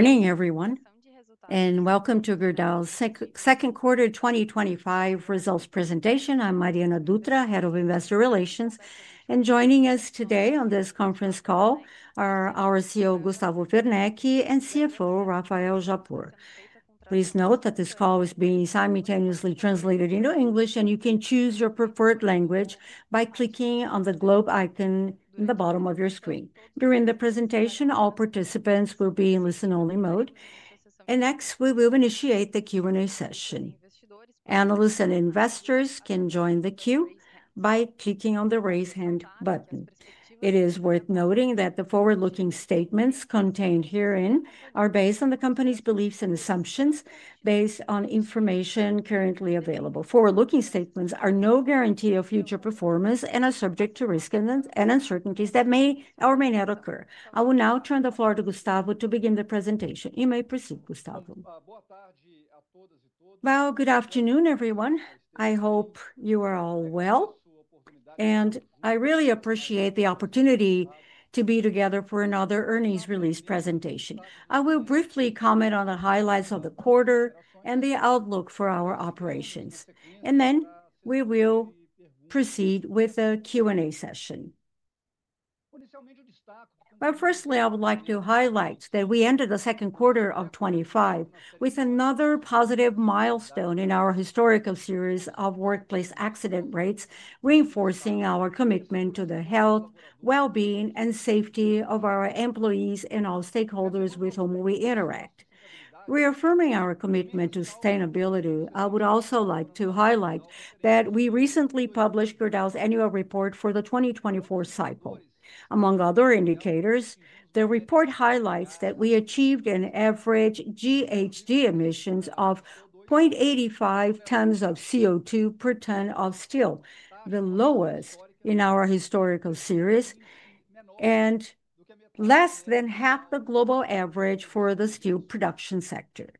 Morning everyone and welcome to Gerdau's second quarter 2025 results presentation. I'm Mariana Dutra, Head of Investor Relations, and joining us today on this conference call are our CEO Gustavo Werneck and CFO Rafael Japur. Please note that this call is being simultaneously translated into English and you can choose your preferred language by clicking on the Globe icon at the bottom of your screen. During the presentation, all participants will be in listen-only mode and next we will initiate the Q&A session. Analysts and investors can join the queue by clicking on the Raise hand button. It is worth noting that the forward-looking statements contained herein are based on the company's beliefs and assumptions based on information currently available. Forward-looking statements are no guarantee of future performance and are subject to risk and uncertainties that may or may not occur. I will now turn the floor to Gustavo to begin the presentation. You may proceed, Gustavo. Good afternoon everyone. I hope you are all well and I really appreciate the opportunity to be together for another earnings release presentation. I will briefly comment on the highlights of the quarter and the outlook for our operations and then we will proceed with the Q&A session. Firstly, I would like to highlight that we ended 2Q 2025 with another positive milestone in our historical series of workplace accident rates, reinforcing our commitment to the health, well-being, and safety of our employees and all stakeholders with whom we interact, reaffirming our commitment to sustainability. I would also like to highlight that we recently published Gerdau's annual report for the 2024 cycle. Among other indicators, the report highlights that we achieved an average GHG emissions of 0.85 tons of CO2 per ton of steel, the lowest in our historical series and less than 1/2 the global average for the steel production sector.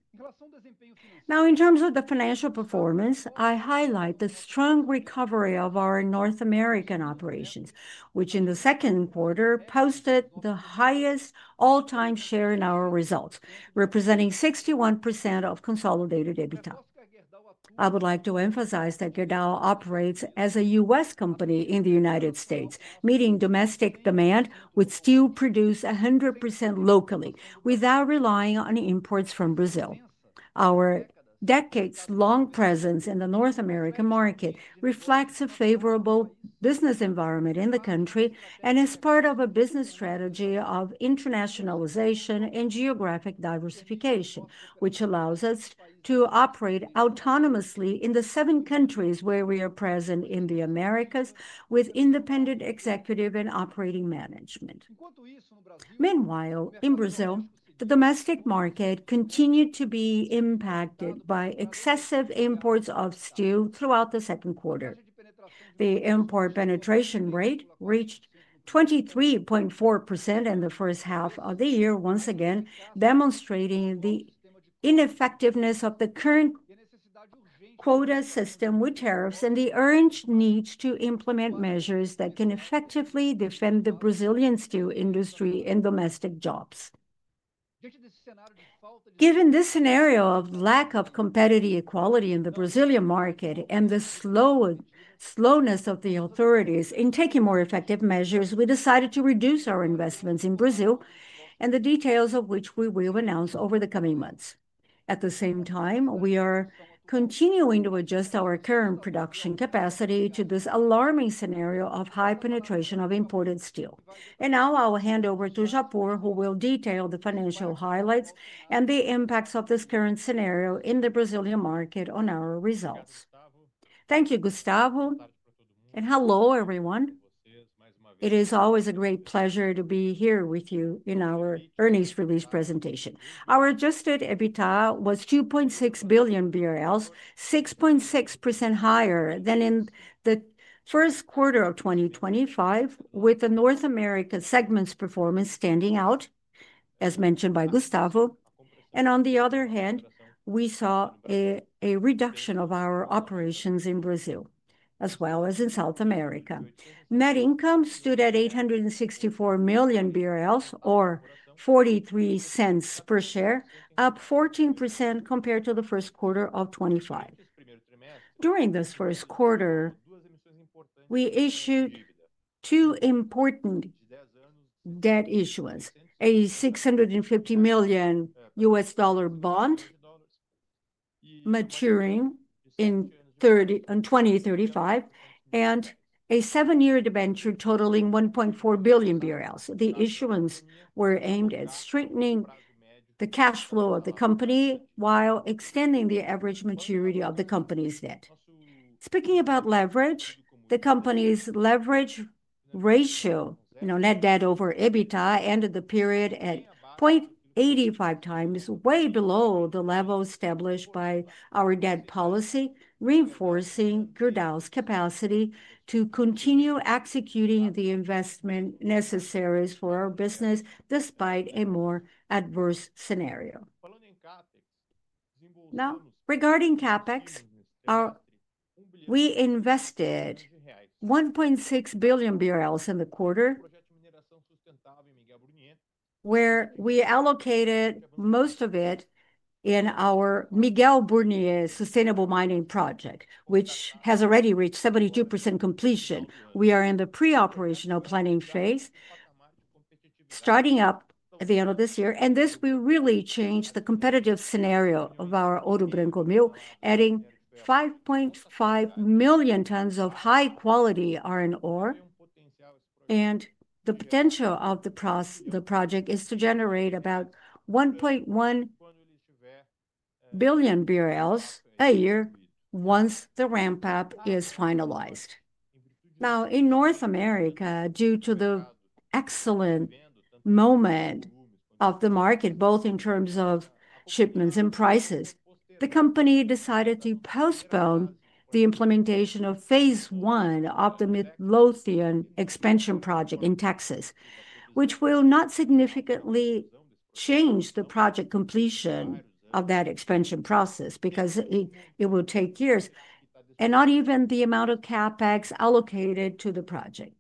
Now, in terms of the financial performance, I highlight the strong recovery of our North American operations which in the second quarter posted the highest all-time share in our results, representing 61% of consolidated EBITDA. I would like to emphasize that Gerdau operates as a U.S. company in the United States, meeting domestic demand and still producing 100% locally without relying on imports from Brazil. Our decades-long presence in the North American market reflects a favorable business environment in the country and as part of a business strategy of internationalization and geographic diversification, which allows us to operate autonomously in the seven countries where we are present in the Americas with independent executive and operating management. Meanwhile, in Brazil, the domestic market continued to be impacted by excessive imports of steel. Throughout the second quarter, the import penetration rate reached 23.4% in the first half of the year, once again demonstrating the ineffectiveness of the current quota system with tariffs and the urgent need to implement measures that can effectively defend the Brazilian steel industry and domestic jobs. Given this scenario of lack of competitive equality in the Brazilian market and the slowness of the authorities in taking more effective measures, we decided to reduce our investments in Brazil, the details of which we will announce over the coming months. At the same time, we are continuing to adjust our current production capacity to this alarming scenario of high penetration of imported steel. Now I'll hand over to Japur who will detail the financial highlights and the impacts of this current scenario in the Brazilian market on our results. Gustavo. Thank you, Gustavo. Hello everyone. It is always a great pleasure to be here with you. In our earnings release presentation, our adjusted EBITDA was 2.6 billion BRL, 6.6% higher than in the first quarter of 2025, with the North America segment's performance standing out as mentioned by Gustavo. On the other hand, we saw a reduction of our operations in Brazil as well as in South America. Net income stood at 864 million BRL or $0.43 per share, up 14% compared to 1Q 2025. During this first quarter we issued two important debt issuances, a $650 million bond maturing in 2035 and a seven-year debenture totaling 1.4 billion BRL. The issuances were aimed at strengthening the cash flow of the company while extending the average maturity of the company's debt. Speaking about leverage, the company's leverage ratio, net debt/EBITDA, ended the period at 0.85 times, way below the level established by our debt policy, reinforcing Gerdau's capacity to continue executing the investment necessary for our business despite a more adverse scenario. Now regarding CapEx, we invested 1.6 billion BRL in the quarter where we allocated most of it in our Miguel Burnier sustainable mining project, which has already reached 72% completion. We are in the pre-operational planning phase, starting up at the end of this year. This will really change the competitive scenario of our Ouro Branco mill, adding 5.5 million tons of high-quality iron ore. The potential of the project is to generate about 1.1 billion BRL a year once the ramp-up is finalized. In North America, due to the excellent moment of the market, both in terms of shipments and prices, the company decided to postpone the implementation of phase one of the Midlothian expansion project in Texas, which will not significantly change the project completion of that expansion process because it will take years and not even the amount of CapEx allocated to the project.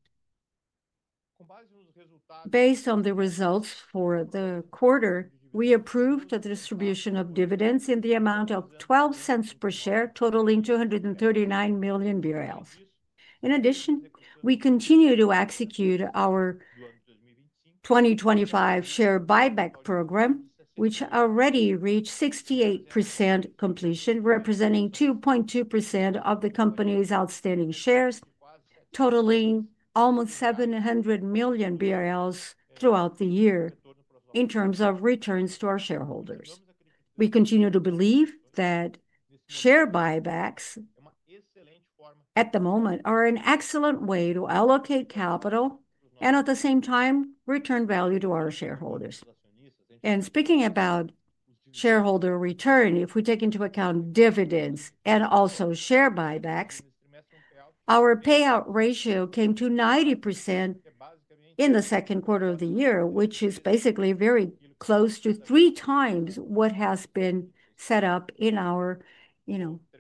Based on the results for the quarter, we approved a distribution of dividends in the amount of $0.12 per share, totaling 239 million BRL. In addition, we continue to execute our 2025 share buyback program, which already reached 68% completion, representing 2.2% of the company's outstanding shares, totaling almost 700 million BRL throughout the year. In terms of returns to our shareholders, we continue to believe that share buybacks at the moment are an excellent way to allocate capital and at the same time return value to our shareholders. Speaking about shareholder return, if we take into account dividends and also share buybacks, our payout ratio came to 90% in the second quarter of the year, which is basically very close to three times what has been set up in our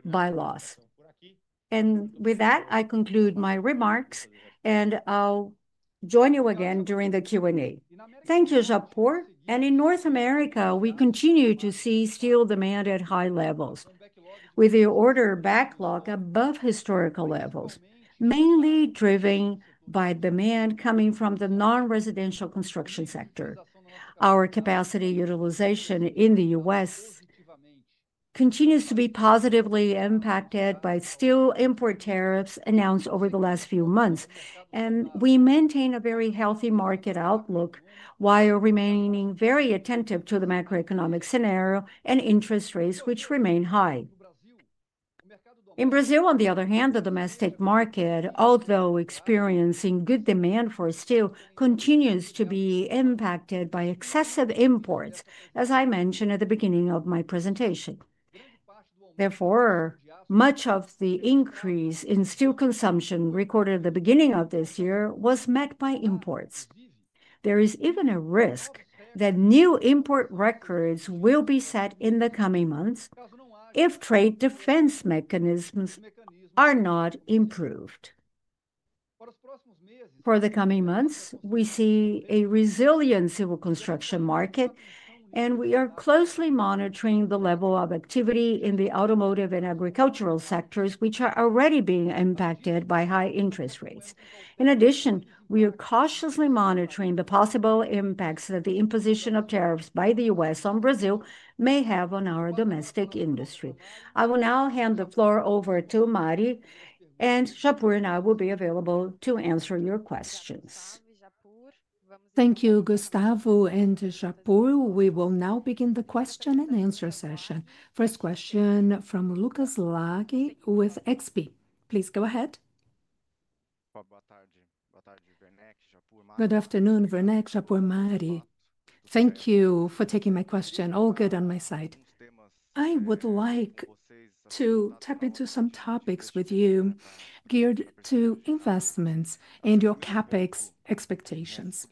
bylaws. With that I conclude my remarks and I'll join you again during the Q&A. Thank you, Japur. In North America we continue to see steel demand at high levels with the order backlog above historical levels, mainly driven by demand coming from the non-residential construction sector. Our capacity utilization in the U.S. continues to be positively impacted by steel import tariffs announced over the last few months, and we maintain a very healthy market outlook while remaining very attentive to the macroeconomic scenario and interest rates which remain high in Brazil. On the other hand, the domestic market, although experiencing good demand for steel, continues to be impacted by excessive imports, as I mentioned at the beginning of my presentation. Much of the increase in steel consumption recorded at the beginning of this year was met by imports. There is even a risk that new import records will be set in the coming months if trade defense mechanisms are not improved. For the coming months we see a resilient civil construction market and we are closely monitoring the level of activity in the automotive and agricultural sectors which are already being impacted by high interest rates. In addition, we are cautiously monitoring the possible impacts that the imposition of tariffs by the U.S. on Brazil may have on our domestic industry. I will now hand the floor over to Mari and Japur and I will be available to answer your questions. Thank you, Gustavo and Japur. We will now begin the question and answer session. First question from Lucas Laghi with XP. Please go ahead. Good afternoon, Werneck. Thank you for taking my question. All good on my side. I would like to tap into some topics with you geared to investments and your capex expectations.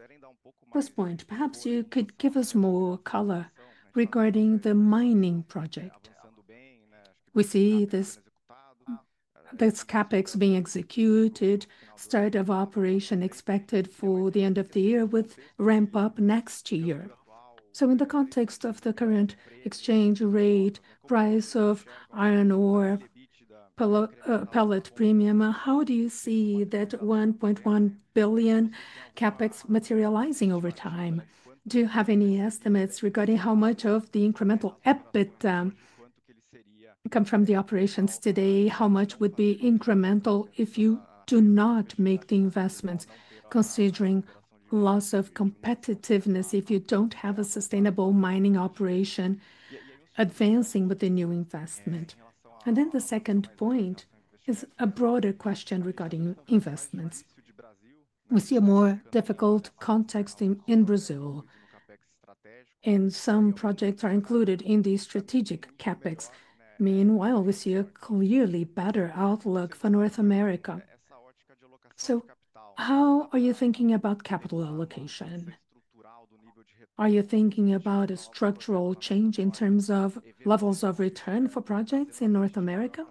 First point, perhaps you could give us more color regarding the mining project. We see this capex being executed, start of operation expected for the end of the year with ramp up next year. In the context of the current exchange rate, price of iron ore, pellet premium, how do you see that 1.1 billion capex materializing over time? Do you have any estimates regarding how much of the incremental EBITDA comes from the operations today? How much would be incremental if you do not make the investments? Considering loss of competitiveness if you don't have a sustainable mining operation advancing with the new investment? The second point is a broader question regarding investments. We see a more difficult context in Brazil and some projects are included in the strategic capex. Meanwhile, we see a clearly better outlook for North America. How are you thinking about capital allocation? Are you thinking about a structural change in terms of levels of return for projects in North America,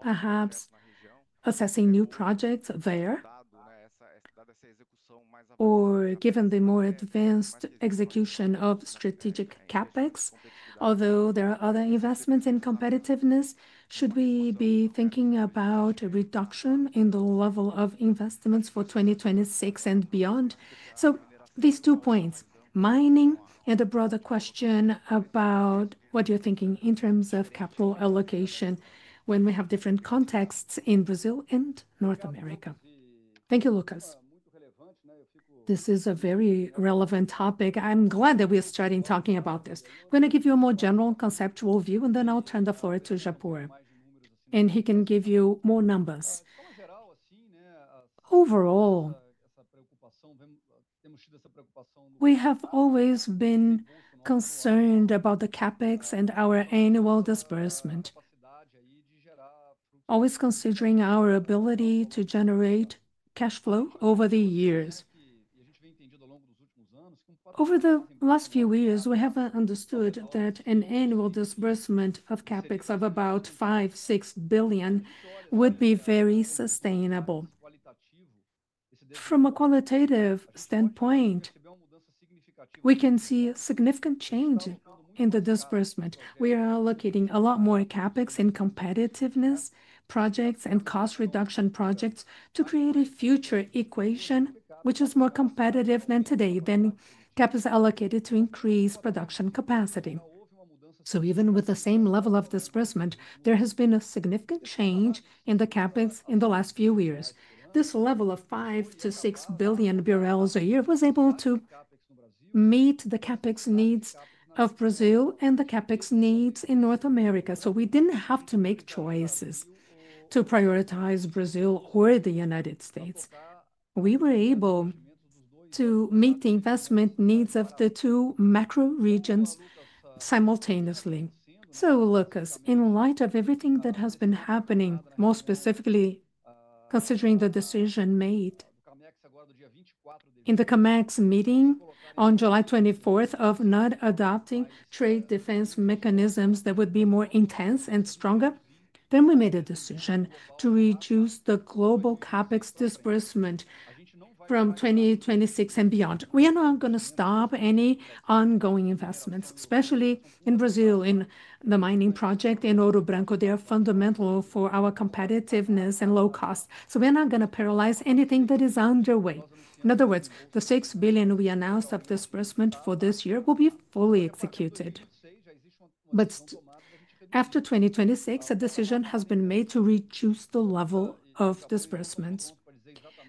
perhaps assessing new projects there? Given the more advanced execution of strategic capex, although there are other investments in competitiveness, should we be thinking about a reduction in the level of investments for 2026 and beyond? These two points, mining and a broader question about what you're thinking in terms of capital allocation when we have different contexts in Brazil and North America. Thank you, Lucas. This is a very relevant topic. I'm glad that we are starting talking about this. I'm going to give you a more general conceptual view and then I'll turn the floor to Japur and he can give you more numbers. Overall, we have always been concerned about the capex and our annual disbursement, always considering our ability to generate cash flow over the years. Over the last few years, we have understood that an annual disbursement of capex of about 5 billion, 6 billion would be very sustainable. From a qualitative standpoint, we can see significant change in the disbursement. We are allocating a lot more capex in competitiveness projects and cost reduction projects to create a future equation which is more competitive than today. CapEx is allocated to increase production capacity. Even with the same level of disbursement, there has been a significant change in the CapEx in the last few years. This level of 5 to 6 billion a year was able to meet the CapEx needs of Brazil and the CapEx needs in North America. We did not have to make choices to prioritize Brazil or the United States. We were able to meet the investment needs of the two macro regions simultaneously. Lucas, in light of everything that has been happening, more specifically considering the decision made in the COMEX meeting on July 24th of not adopting trade defense mechanisms that would be more intense and stronger, we made a decision to reduce the global CapEx disbursement from 2026 and beyond. We are not going to stop any ongoing investments, especially in Brazil, in the mining project in Ouro Branco. They are fundamental for our competitiveness and low cost. We are not going to paralyze anything that is underway. In other words, the 6 billion we announced of disbursement for this year will be fully executed. After 2026, a decision has been made to reduce the level of disbursements.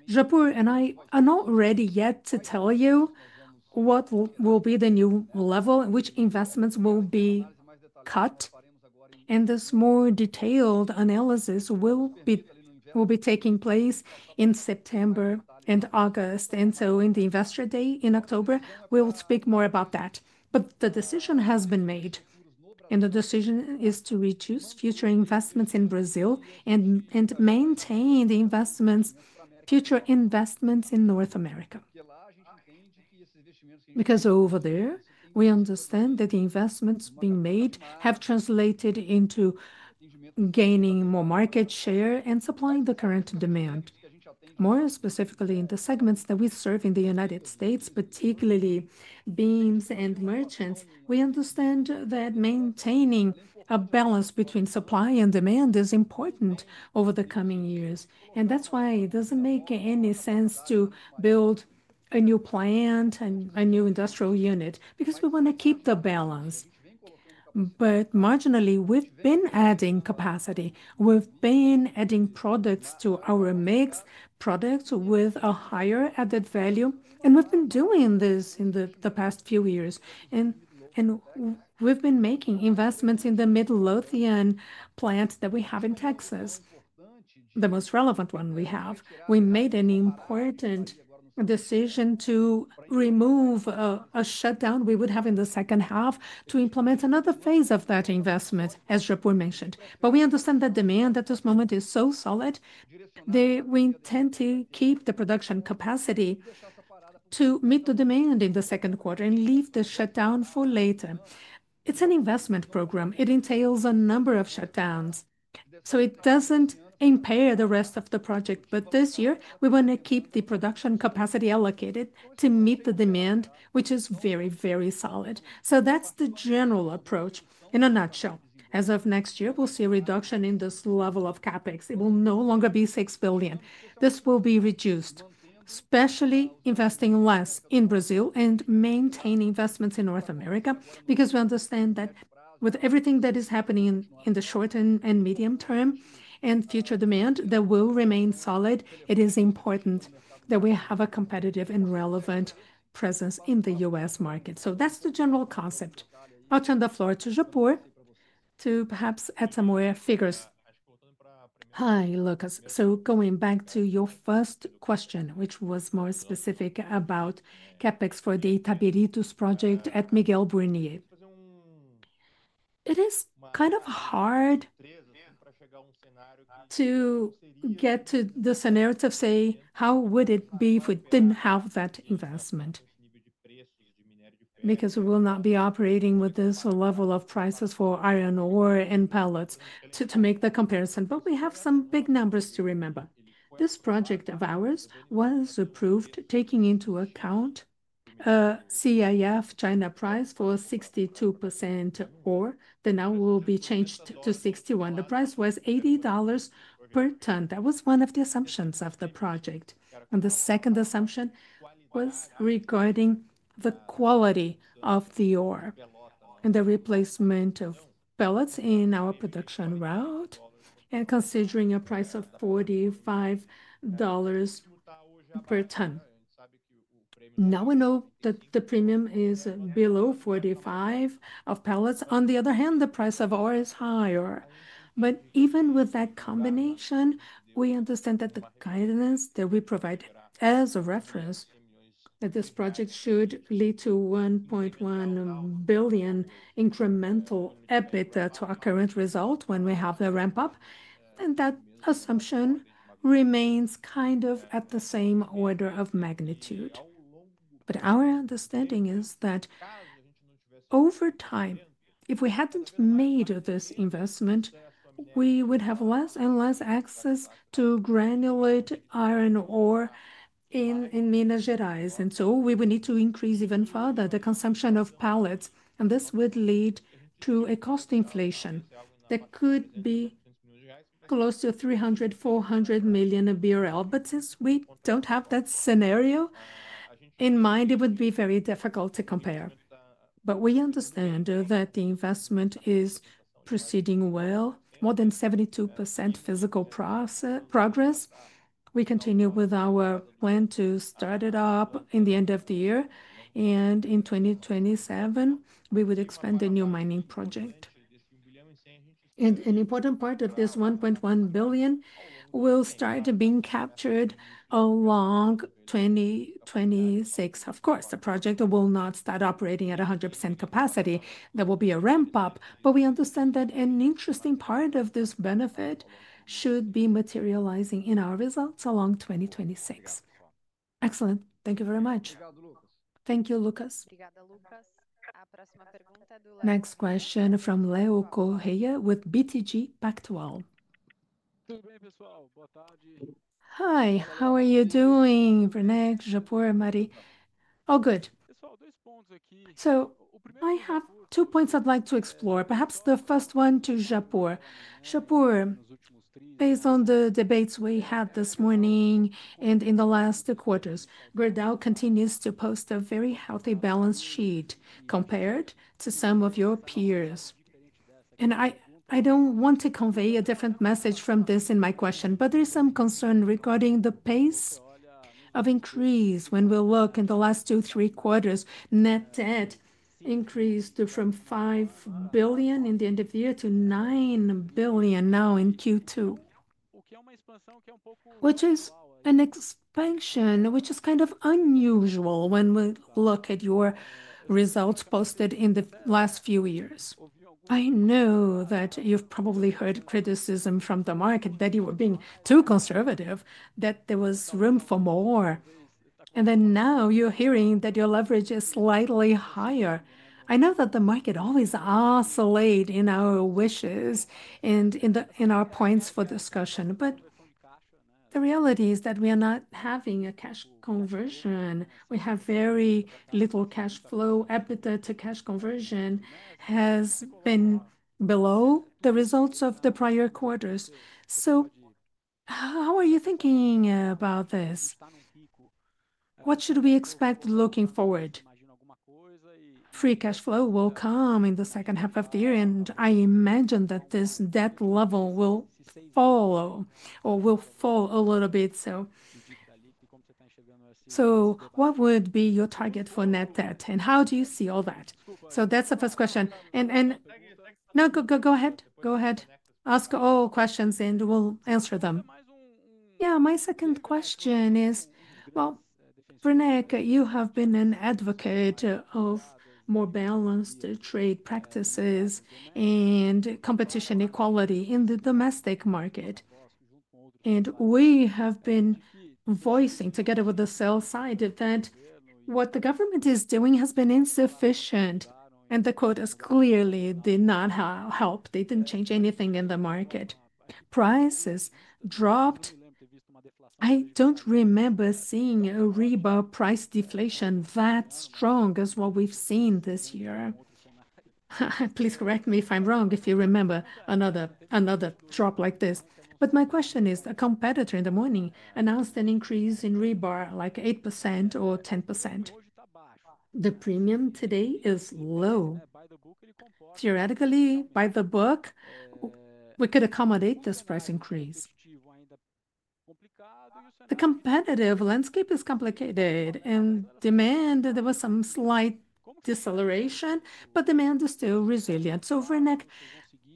Japur and I are not ready yet to tell you what will be the new level, which investments will be cut. This more detailed analysis will be taking place in September and August. In the Investor Day in October, we will speak more about that. The decision has been made and the decision is to reduce future investments in Brazil and maintain the investments, future investments in North America, because over there we understand that the investments being made have translated into gaining more market share and supplying the current demand, more specifically in the segments that we serve in the United States, particularly beams and merchants. We understand that maintaining a balance between supply and demand is important over the coming years. It does not make any sense to build a new plant and a new industrial unit, because we want to keep the balance. Marginally, we have been adding capacity, we have been adding products to our mix, products with a higher added value. We have been doing this in the past few years. We have been making investments in the Midlothian plant that we have in Texas, the most relevant one we have. We made an important decision to remove a shutdown we would have in the second half to implement another phase of that investment, as Japur mentioned. We understand that demand at this moment is so solid, we intend to keep the production capacity to meet the demand in the second quarter and leave the shutdown for later. It's an investment program. It entails a number of shutdowns, so it doesn't impair the rest of the project. This year we want to keep the production capacity allocated to meet the demand, which is very, very solid. That's the general approach in a nutshell. As of next year, we'll see a reduction in this level of capex. It will no longer be 6 billion. This will be reduced, especially investing less in Brazil and maintaining investments in North America, because we understand that with everything that is happening in the short and medium term and future demand that will remain solid. It is important that we have a competitive and relevant presence in the U.S. market. That's the general concept. I'll turn the floor to Japur to perhaps add some more figures. Hi Lucas. Going back to your first question, which was more specific about capex for the Itabiritus project at Miguel Burnier, it is kind of hard to get to the scenario to say how would it be if we didn't have that investment, because we will not be operating with this level of prices for iron ore and pellets to make the comparison. We have some big numbers to remember. This project of ours was approved taking into account CIF China price for 62% ore. The now will be changed to 61%. The price was $80 per ton. That was one of the assumptions of the project. The second assumption was regarding the quality of the ore and the replacement of pellets in our production route, and considering a price of $45 per ton. Now we know that the premium is below $45 of pellets. On the other hand, the price of ore is higher. Even with that combination, we understand that the guidance that we provide as a reference is that this project should lead to 1.1 billion incremental annual EBITDA to our current result when we have the ramp up. That assumption remains kind of at the same order of magnitude. Our understanding is that over time, if we hadn't made this investment, we would have less and less access to granulate iron ore in Minas Gerais, and we would need to increase even further the consumption of pellets. This would lead to a cost inflation that could be close to 300 million, 400 million BRL. Since we don't have that scenario in mind, it would be very difficult to compare. We understand that the investment is proceeding well, with more than 72% physical progress. We continue with our plan to start it up at the end of the year. In 2027, we would expand the new mining project, and an important part of this 1.1 billion will start being captured along 2026. Of course, the project will not start operating at 100% capacity. There will be a ramp up. We understand that an interesting part of this benefit should be materializing in our results along 2026. Excellent. Thank you very much. Thank you, Lucas. Next question from Leo Correa with BTG Pactual. Hi, how are you doing? Oh, good. I have two points I'd like to explore. Perhaps the first one to Japur. Japur, based on the debates we had this morning and in the last two quarters, Gerdau continues to post a very healthy balance sheet compared to some of your peers. I don't want to convey a different message from this in my question, but there's some concern regarding the pace of increase. When we look in the last two to three quarters, net debt increased from 5 billion at the end of the year to 9 billion now in Q2, which is an expansion that is kind of unusual when we look at your results posted in the last few years. I know that you've probably heard criticism from the market that you were being too conservative, that there was room for more, and now you're hearing that your leverage is slightly higher. I know that the market always oscillates in our wishes and in our points for discussion, but the reality is that we are not having a cash conversion. We have very little cash flow. EBITDA to cash conversion has been below the results of the prior quarters. How are you thinking about this? What should we expect looking forward? Free cash flow will come in the second half of the year, and I imagine that this debt level will fall a little bit. What would be your target for net debt and how do you see all that? My second question is, Werneck, you have been an advocate of more balanced trade practices and competition equality in the domestic market. We have been voicing together with the sell side that what the government is doing has been insufficient, and the quotas clearly did not help. They didn't change anything in the market. Prices dropped. I don't remember seeing rebar price deflation that strong as what we've seen this year. Please correct me if I'm wrong if you remember another drop like this, but my question is a competitor in the morning announced an increase in rebar like 8% or 10%. The premium today is low. Theoretically, by the book, we could accommodate this price increase. The competitive landscape is complicated, and demand, there was some slight deceleration, but demand is still resilient. So Werneck,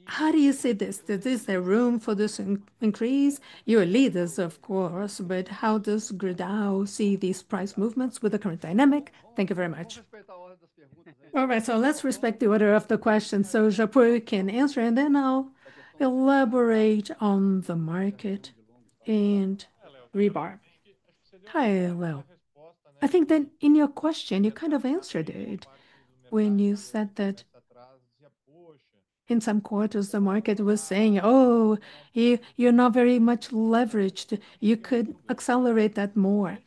how do you see this? Is there room for this increase? You are leaders, of course, but how does Gerdau see these price movements with the current dynamic? Thank you very much. All right, let's respect the order of the questions so Japur can answer and then I'll elaborate on the market and rebar. Hi. I think that in your question you kind of answered it when you said that in some quarters the market was saying, oh, you're not very much leveraged, you could accelerate that more.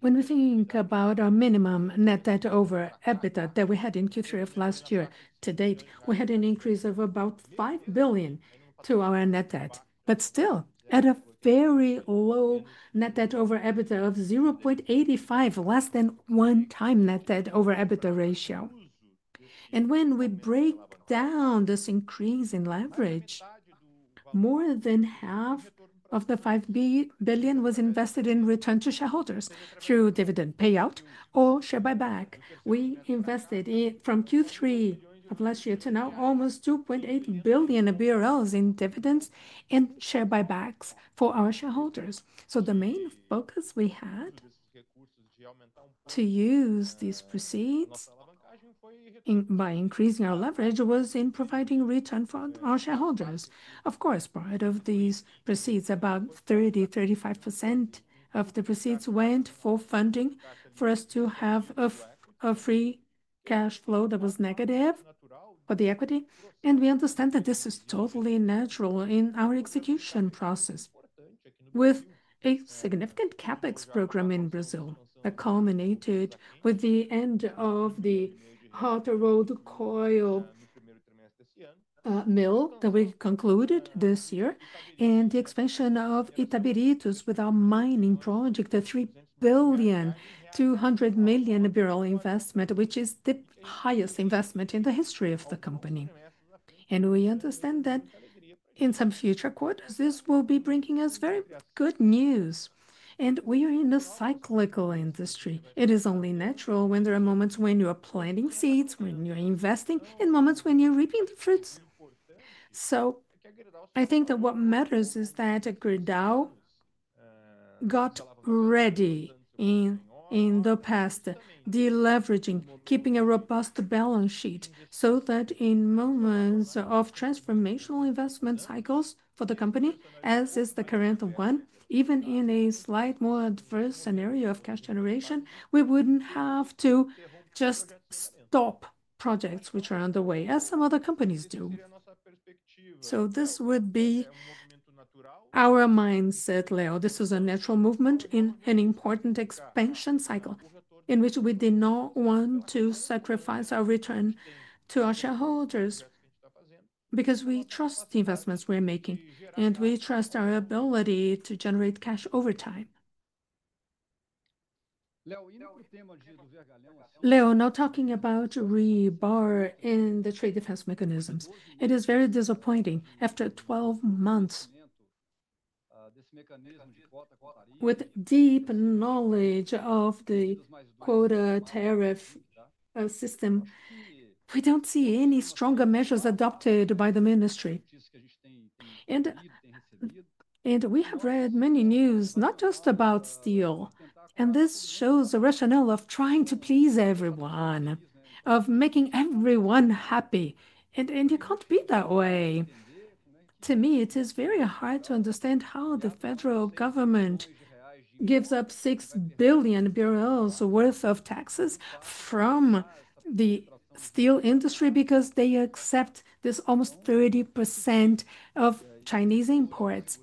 When we think about our minimum net debt/EBITDA that we had in Q3 of last year to date, we had an increase of about 3.5 billion to our net debt, but still at a very low net debt/EBITDA of 0.85, less than 1 time net debt/EBITDA ratio. When we break down this increase in leverage, more than half of the 5 billion was invested in return to shareholders through dividend payout or share buyback. We invested from Q3 of last year to now almost BRL 2.8 billion in dividends and share buybacks for our shareholders. The main focus we had to use these proceeds by increasing our leverage was in providing return for our shareholders. Of course, part of these proceeds, about 30%-35% of the proceeds, went for funding for us to have a free cash flow that was negative for the equity. We understand that this is totally natural in our execution process with a significant capex program in Brazil that culminated with the end of the hot rolled coil mill that we concluded this year and the expansion of Itabirito with our mining project, 3.2 billion investment, which is the highest investment in the history of the company. We understand that in some future quarters this will be bringing us very good news. We are in the cyclical industry. It is only natural when there are moments when you are planting seeds, when you are investing, in moments when you're reaping the fruits. I think that what matters is that we got ready in the past, deleveraging, keeping a robust balance sheet, so that in moments of transformational investment cycles for the company, as is the current one, even in a slightly more adverse scenario of cash generation, we wouldn't have to just stop projects which are underway as some other companies do. This would be our mindset, Leo. This is a natural movement in an important expansion cycle in which we did not want to sacrifice our return to our shareholders because we trust the investments we are making and we trust our ability to generate cash over time. Leo, not talking about rebar in the trade defense mechanisms. It is very disappointing. After 12 months with deep knowledge of the quota tariff system, we don't see any stronger measures adopted by the Ministry. We have read many news, not just about steel. This shows the rationale of trying to please everyone, of making everyone happy. You can't be that way. To me, it is very hard to understand how the federal government gives up $6 billion worth of taxes from the steel industry because they accept this almost 30% of Chinese imports.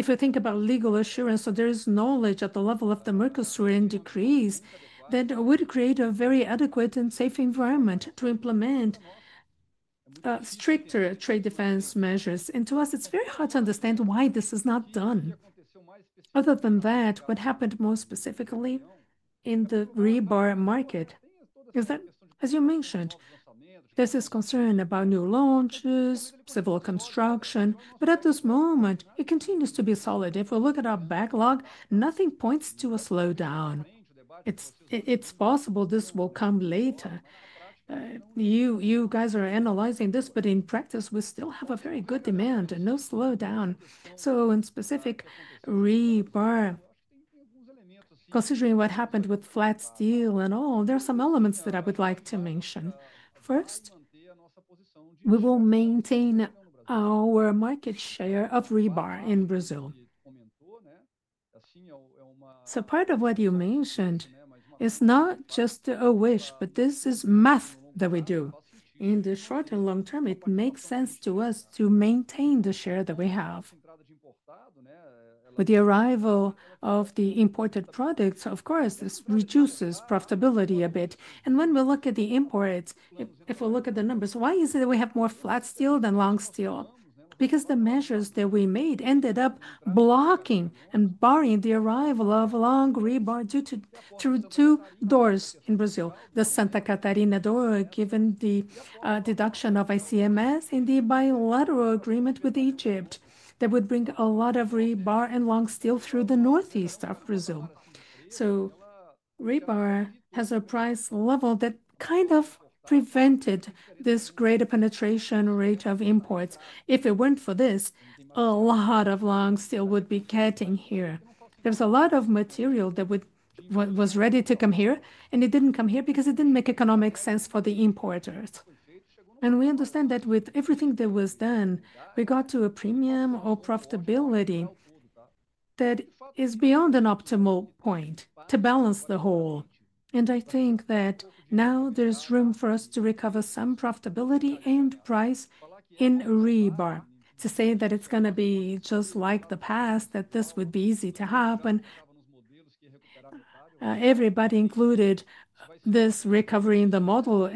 If you think about legal assurance, there is knowledge at the level of the mercury and decrease, that would create a very adequate and safe environment to implement stricter trade defense measures. To us, it's very hard to understand why this is not done. Other than that, what happened more specifically in the rebar market is that as you mentioned, this is concern about new launches, civil construction, but at this moment it continues to be solid. If we look at our backlog, nothing points to a slowdown. It's possible this will come later. You guys are analyzing this. In practice we still have a very good demand and no slowdown. In specific rebar, considering what happened with flat steel and all, there are some elements that I would like to mention. First, we will maintain our market share of rebar in Brazil. Part of what you mentioned is not just a wish, but this is math that we do in the short and long term. It makes sense to us to maintain the share that we have with the arrival of the imported products. Of course, this reduces profitability a bit. When we look at the imports, if we look at the numbers, why is it that we have more flat steel than long steel? Because the measures that we made ended up blocking and barring the arrival of long rebar due to, through two doors in Brazil, the Santa Catarina door, given the deduction of ICMS in the bilateral agreement with Egypt, that would bring a lot of rebar and long steel through the northeast of Brazil. Rebar has a price level that kind of prevented this greater penetration rate of imports. If it weren't for this, a lot of long steel would be getting here. There's a lot of material that was ready to come here and it didn't come here because it didn't make economic sense for the importers. We understand that with everything that was done, we got to a premium or profitability that is beyond an optimal point to balance the whole. I think that now there's room for us to recover some profitability and price in rebar. To say that it's going to be just like the past, that this would be easy to happen. Everybody included this recovery in the model.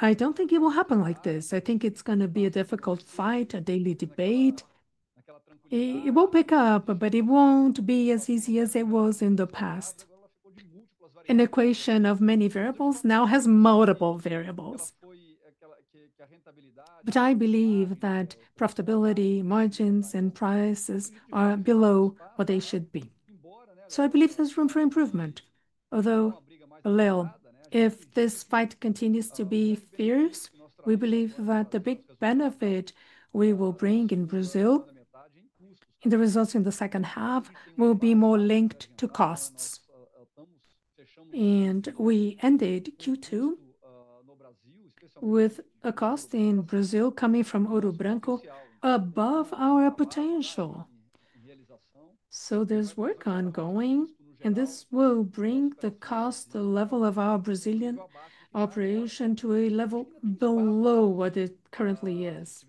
I don't think it will happen like this. I think it's going to be a difficult fight, a daily debate. It will pick up, but it won't be as easy as it was in the past. An equation of many variables now has multiple variables. I believe that profitability, margins, and prices are below what they should be. I believe there's room for improvement, although a little. If this fight continues to be fierce, we believe that the big benefit we will bring in Brazil in the results in the second half will be more linked to costs. We ended Q2 with a cost in Brazil coming from Ouro Branco above our potential. There's work ongoing and this will bring the cost level of our Brazilian operation to a level below what it currently is.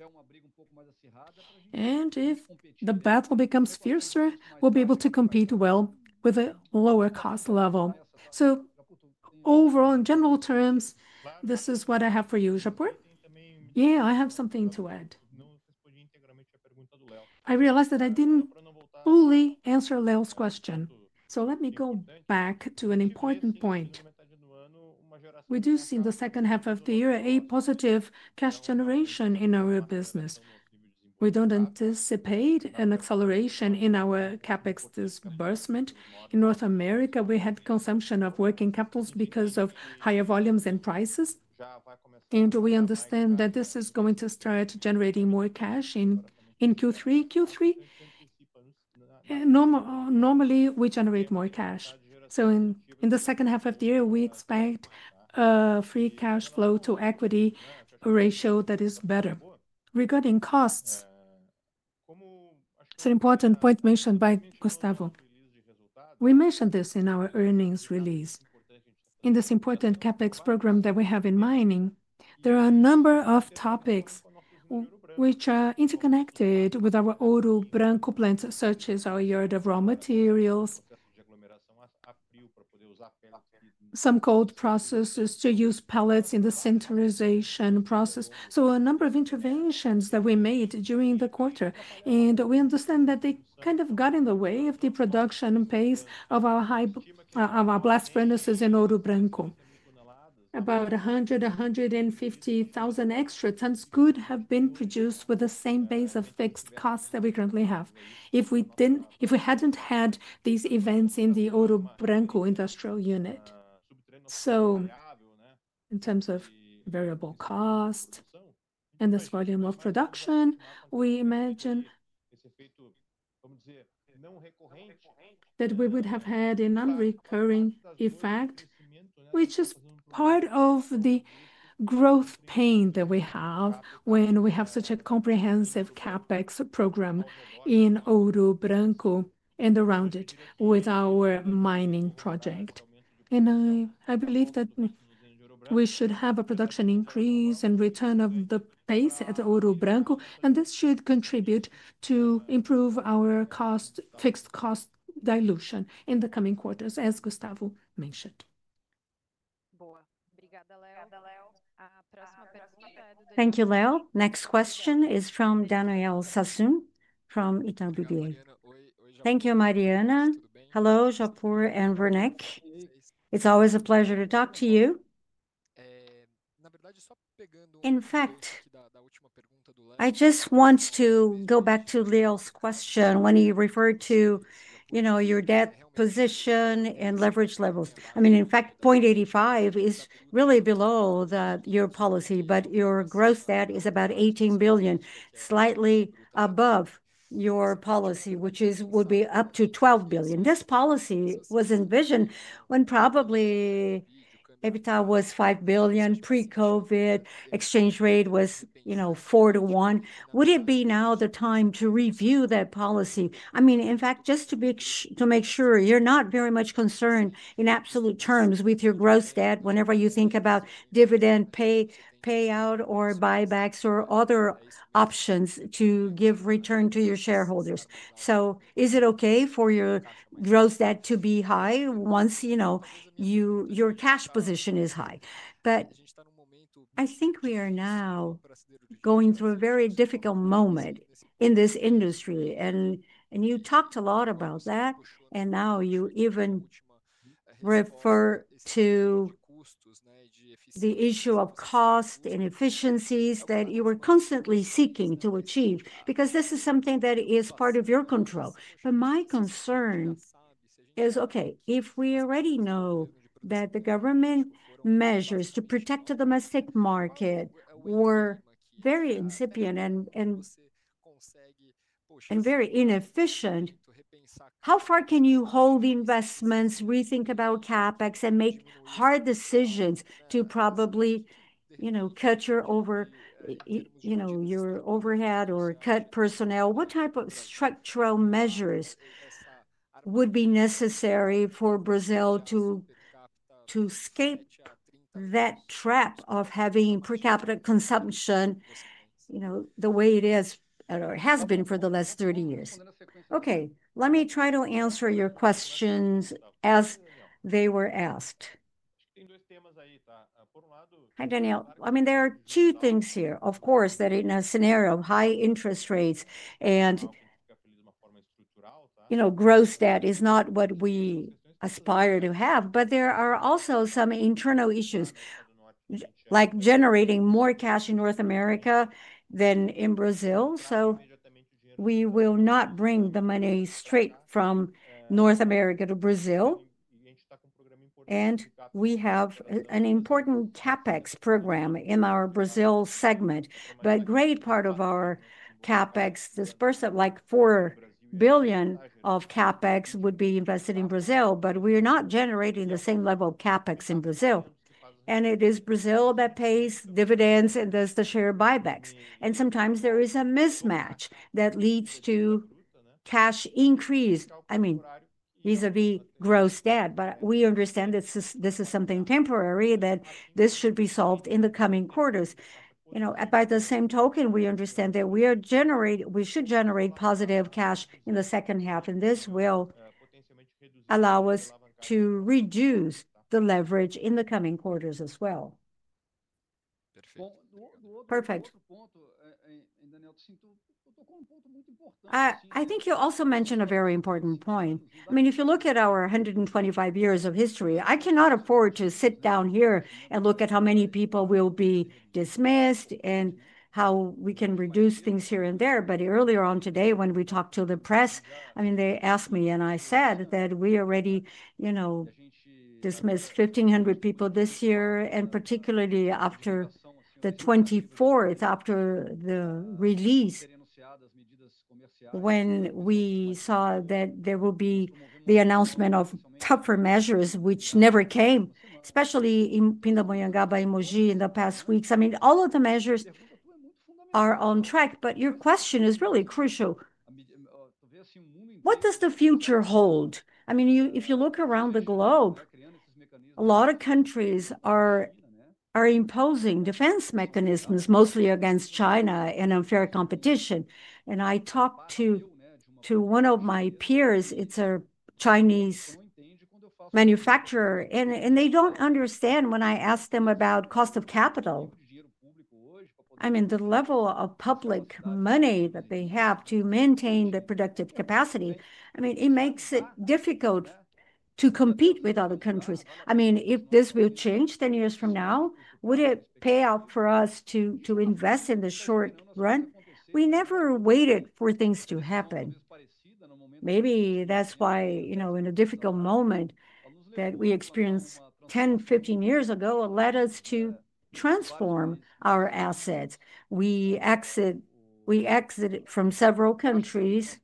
If the battle becomes fiercer, we'll be able to compete well with a lower cost level. Overall, in general terms, this is what I have for you. Japur. Yeah, I have something to add. I realized that I didn't fully answer Leo's question. Let me go back to an important point. We do see in the second half of the year a positive cash generation in our business. We don't anticipate an acceleration in our capex disbursement in North America. We had consumption of working capital because of higher volumes and prices. We understand that this is going to start generating more cash in Q3. Q3, normally we generate more cash. In the second half of the year we expect free cash flow to equity ratio that is better regarding costs. It's an important point mentioned by Gustavo. We mentioned this in our earnings release in this important capex program that we have in mining. There are a number of topics which are interconnected with our Ouro Branco plants, such as our yard of raw materials, some cold processes to use pellets in the sinterization process. A number of interventions that we made during the quarter, and we understand that they kind of got in the way of the production and pace of our high blast furnaces in Ouro Branco. About 100,000 to 150,000 extra tons could have been produced with the same base of fixed costs that we currently have if we hadn't had these events in the Ouro Branco industrial unit. In terms of variable cost and this volume of production, we imagine that we would have had a non-recurring effect, which is part of the growth pain that we have when we have such a comprehensive capex program in Ouro Branco and around it with our mining project. I believe that we should have a production increase and return of the pace at Ouro Branco, and this should contribute to improve our fixed cost dilution in the coming quarters, as Gustavo mentioned. Thank you, Leo. Next question is from Daniel Sasson from Itau BBA. Thank you, Mariana. Hello Japur and Werneck, it's always a pleasure to talk to you. In fact, I just want to go back to Lille's question when he referred to, you know, your debt position and leverage levels. I mean, in fact, 0.85 is really below your policy, but your gross debt is about 18 billion, slightly above your policy, which would be up to 12 billion. This policy was envisioned when probably EBITDA was 5 billion. Pre-COVID exchange rate was, you know, 4 to 1. Would it be now the time to review that policy? I mean, in fact, just to be, to make sure you're not very much concerned in absolute terms with your gross debt whenever you think about dividend payments, payout or buybacks or other options to give return to your shareholders. Is it okay for your gross debt to be high once you know your cash position is high? I think we are now going through a very difficult moment in this industry and you talked a lot about that and now you even refer to the issue of cost inefficiencies that you were constantly seeking to achieve because this is something that is part of your control. My concern is, if we already know that the government measures to protect the domestic market were very incipient and very inefficient, how far can you hold investments, rethink about capex and make hard decisions to probably, you know, cut your overhead or cut personnel? What type of structural measures would be necessary for Brazil to escape that trap of having per capita consumption, you know, the way it is, or has been for the last 30 years? Okay, let me try to answer your questions as they were asked. Hi Daniel. There are two things here, of course, that in a scenario of high interest rates and, you know, gross debt is not what we aspire to have. There are also some internal issues like generating more cash in North America than in Brazil. We will not bring the money straight from North America to Brazil. We have an important capex program in our Brazil segment. Great part of our capex disbursement, like 4 billion of capex, would be invested in Brazil, but we are not generating the same level of capex in Brazil. It is Brazil that pays dividends and does the share buybacks. Sometimes there is a mismatch that leads to cash increase, vis-à-vis gross debt. We understand this is something temporary, that this should be solved in the coming quarters. By the same token, we understand that we should generate positive cash in the second half and this will allow us to reduce the leverage in the coming quarters as well. Perfect. I think you also mentioned a very important point. If you look at our 125 years of history, I cannot afford to sit down here and look at how many people will be dismissed and how we can reduce things here and there. Earlier on today when we talked to the press, they asked me and I said that we already dismissed 1,500 people this year. Particularly after the 24th, after the release, when we saw that there would be the announcement of tougher measures which never came, especially in Pindamonhangaba in the past weeks. All of the measures are on track. Your question is really crucial. What does the future hold? If you look around the globe, a lot of countries are imposing defense mechanisms, mostly against China and unfair competition. I talked to one of my peers, a Chinese manufacturer, and they do not understand when I ask them about cost of capital, the level of public money that they have to maintain the productive capacity. It makes it difficult to compete with other countries. If this will change 10 years from now, would it pay out for us to invest in the short run? We never waited for things to happen. Maybe that is why, in a difficult moment that we experienced 10 or 15 years ago, it led us to transform our assets. We exited from several countries.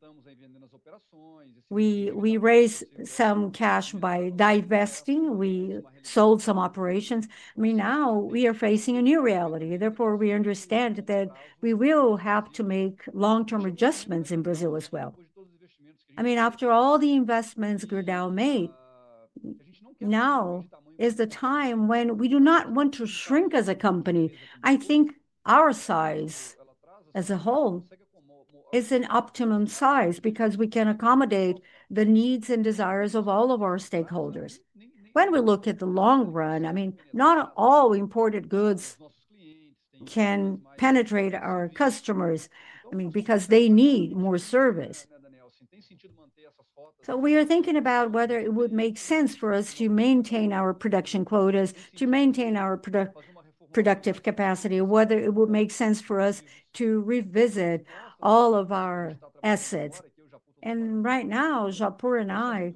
We raised some cash by divesting, we sold some operations. Now we are facing a new reality. Therefore, we understand that we will have to make long-term adjustments in Brazil as well. After all the investments Gerdau. made, now is the time when we do not want to shrink as a company. I think our size as a whole is an optimum size because we can accommodate the needs and desires of all of our stakeholders. When we look at the long run, not all imported goods can penetrate our customers because they need more service. We are thinking about whether it would make sense for us to maintain our production quotas to maintain our productive capacity, whether it would make sense for us to revisit all of our assets. Right now, Japur and I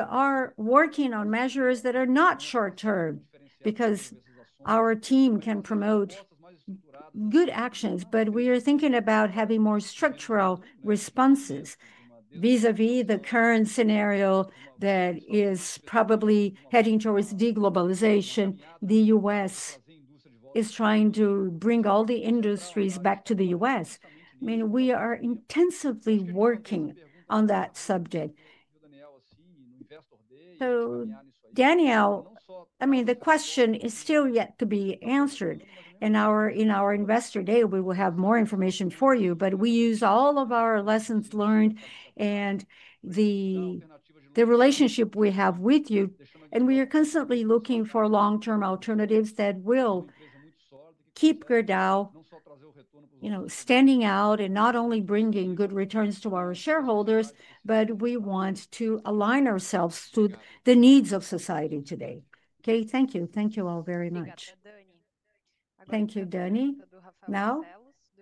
are working on measures that are not short term because our team can promote good actions, but we are thinking about having more structural responses vis-à-vis the current scenario that is probably heading towards deglobalization. The U.S. is trying to bring all the industries back to the U.S. I mean, we are intensively working on that subject. Daniel, the question is still yet to be answered in our investor day. We will have more information for you. We use all of our lessons learned and the relationship we have with you, and we are constantly looking for long term alternatives that will keep Gerdau standing out and not only bringing good returns to our shareholders, but we want to align ourselves to the needs of society today. Thank you. Thank you all very much. Thank you, Daniel. Now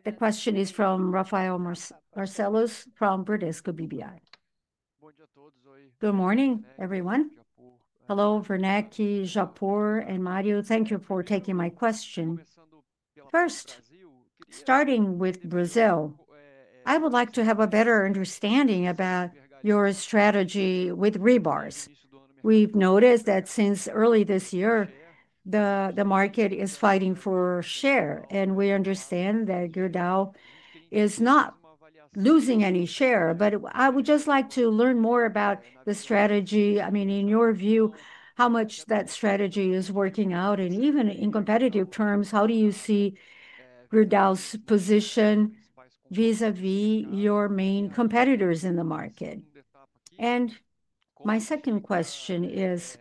the question is from Rafael Barcellos from Bradesco BBI. Good morning everyone. Hello Werneck, Japur and Mariana. Thank you for taking my question. First, starting with Brazil, I would like to have a better understanding about your strategy with rebars. We've noticed that since early this year the market is fighting for share and we understand that Gerdau is not losing any share. I would just like to learn more about the strategy. In your view, how much that strategy is working out and even in competitive terms, how do you see Gerdau's position vis-à-vis your main competitors in the market? My second question is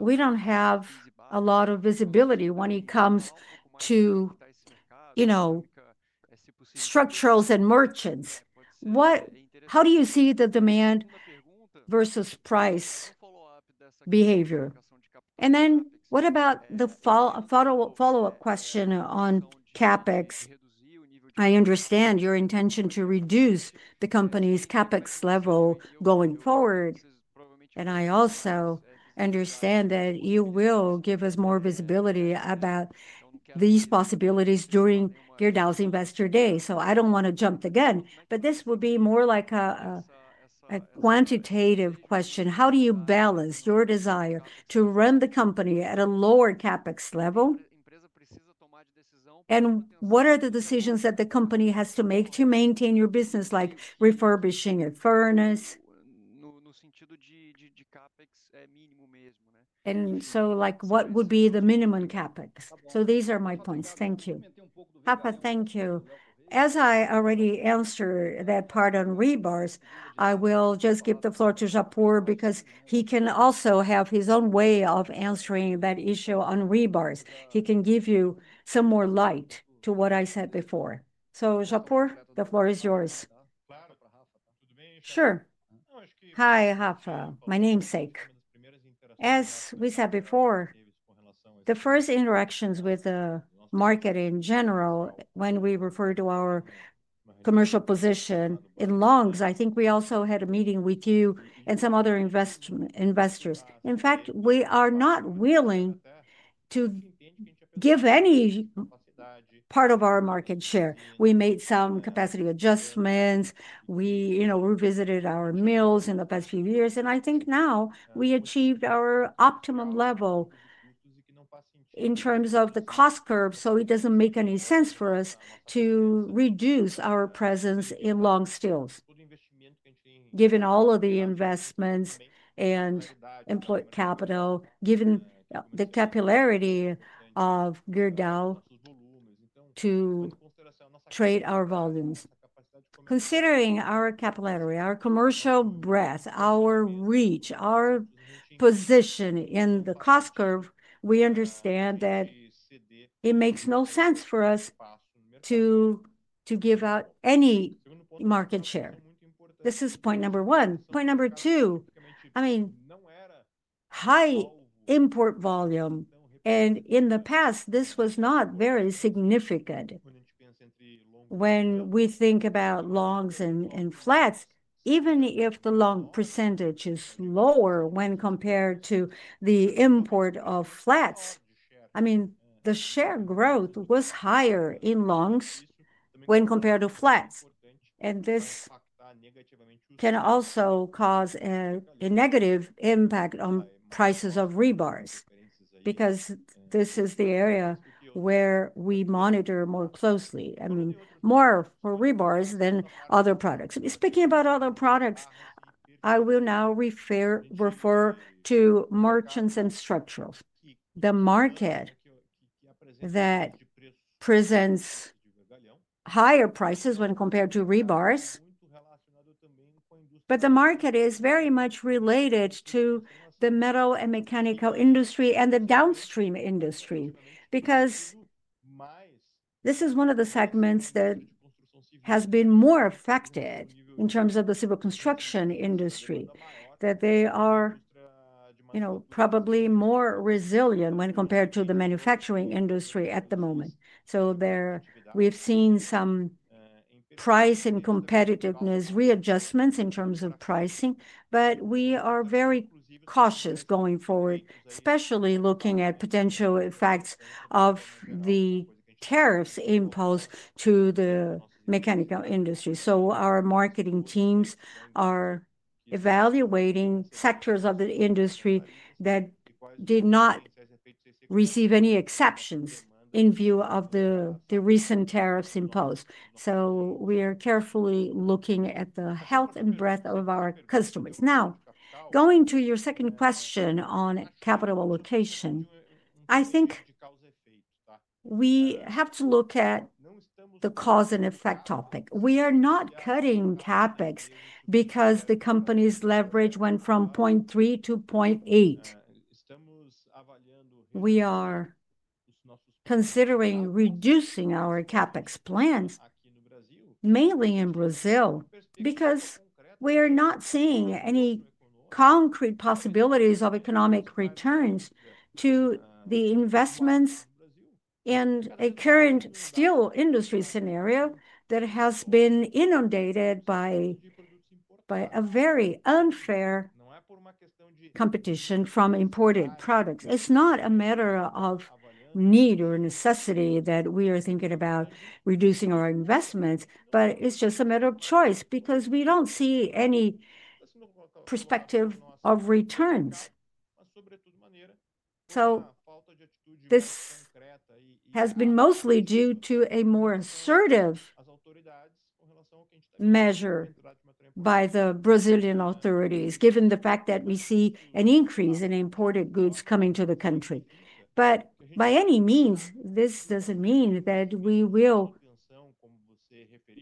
we don't have a lot of visibility when it comes to structurals and merchants. How do you see the demand vs. price behavior? What about the follow up question on CapEx? I understand your intention to reduce the company's CapEx level going forward and I also understand that you will give us more visibility about these possibilities during Gerdau's investor day. I don't want to jump the gun, but this would be more like a quantitative question. How do you balance your desire to run the company at a lower CapEx level. What are the decisions that the company has to make to maintain your business, like refurbishing a furnace? And.What would be the minimum capex? These are my points. Thank you Rafael, thank you. As I already answered that part on rebars, I will just give the floor to Japur because he can also have his own way of answering that issue on rebars. He can give you some more light to what I said before. So Japur, the floor is yours. Sure. Hi Rafael, my namesake, as we said before, the first interactions with the market in general, when we refer to our commercial position in longs, I think we also had a meeting with you and some other investors. In fact, we are not willing to give any part of our market share. We made some capacity adjustments. We revisited our mills in the past few years and I think now we achieved our optimum level. In terms of the cost curve, it doesn't make any sense for us to reduce our presence in long steels. Given all of the investments and employed capital, given the capillarity of Gerdau to trade our volumes, considering our capillarity, our commercial breadth, our reach, our position in the cost curve, we understand that it makes no sense for us to give out any market share. This is point number one. Point number two, high import volume. In the past, this was not very significant. When we think about longs and flats, even if the long percentage is lower when compared to the import of flats, the share growth was higher in longs when compared to flats. This can also cause a negative impact on prices of rebars because this is the area where we monitor more closely, more for rebars than other products. Speaking about other products, I will now refer to merchants and structurals, the market that presents higher prices when compared to rebars. The market is very much related to the metal and mechanical industry and the downstream industry, because this is one of the segments that has been more affected in terms of the civil construction industry. They are probably more resilient when compared to the manufacturing industry at the moment. There, we've seen some price and competitiveness readjustments in terms of pricing. We are very cautious going forward, especially looking at potential effects of the tariffs imposed to the mechanical industry. Our marketing teams are evaluating sectors of the industry that did not receive any exceptions in view of the recent tariffs imposed. We are carefully looking at the health and breadth of our customers. Now, going to your second question on capital allocation, I think we have to look at the cause and effect topic. We are not cutting CapEx because the company's leverage went from 0.3-0.8. We are considering reducing our CapEx plans mainly in Brazil because we are not seeing any concrete possibilities of economic returns to the investments in a current steel industry scenario that has been inundated by a very unfair competition from imported products. It's not a matter of need or necessity that we are thinking about reducing our investments, but it's just a matter of choice because we don't see any perspective of returns. This has been mostly due to a more assertive measure by the Brazilian authorities, given the fact that we see an increase in imported goods coming to the country. By any means, this doesn't mean that we will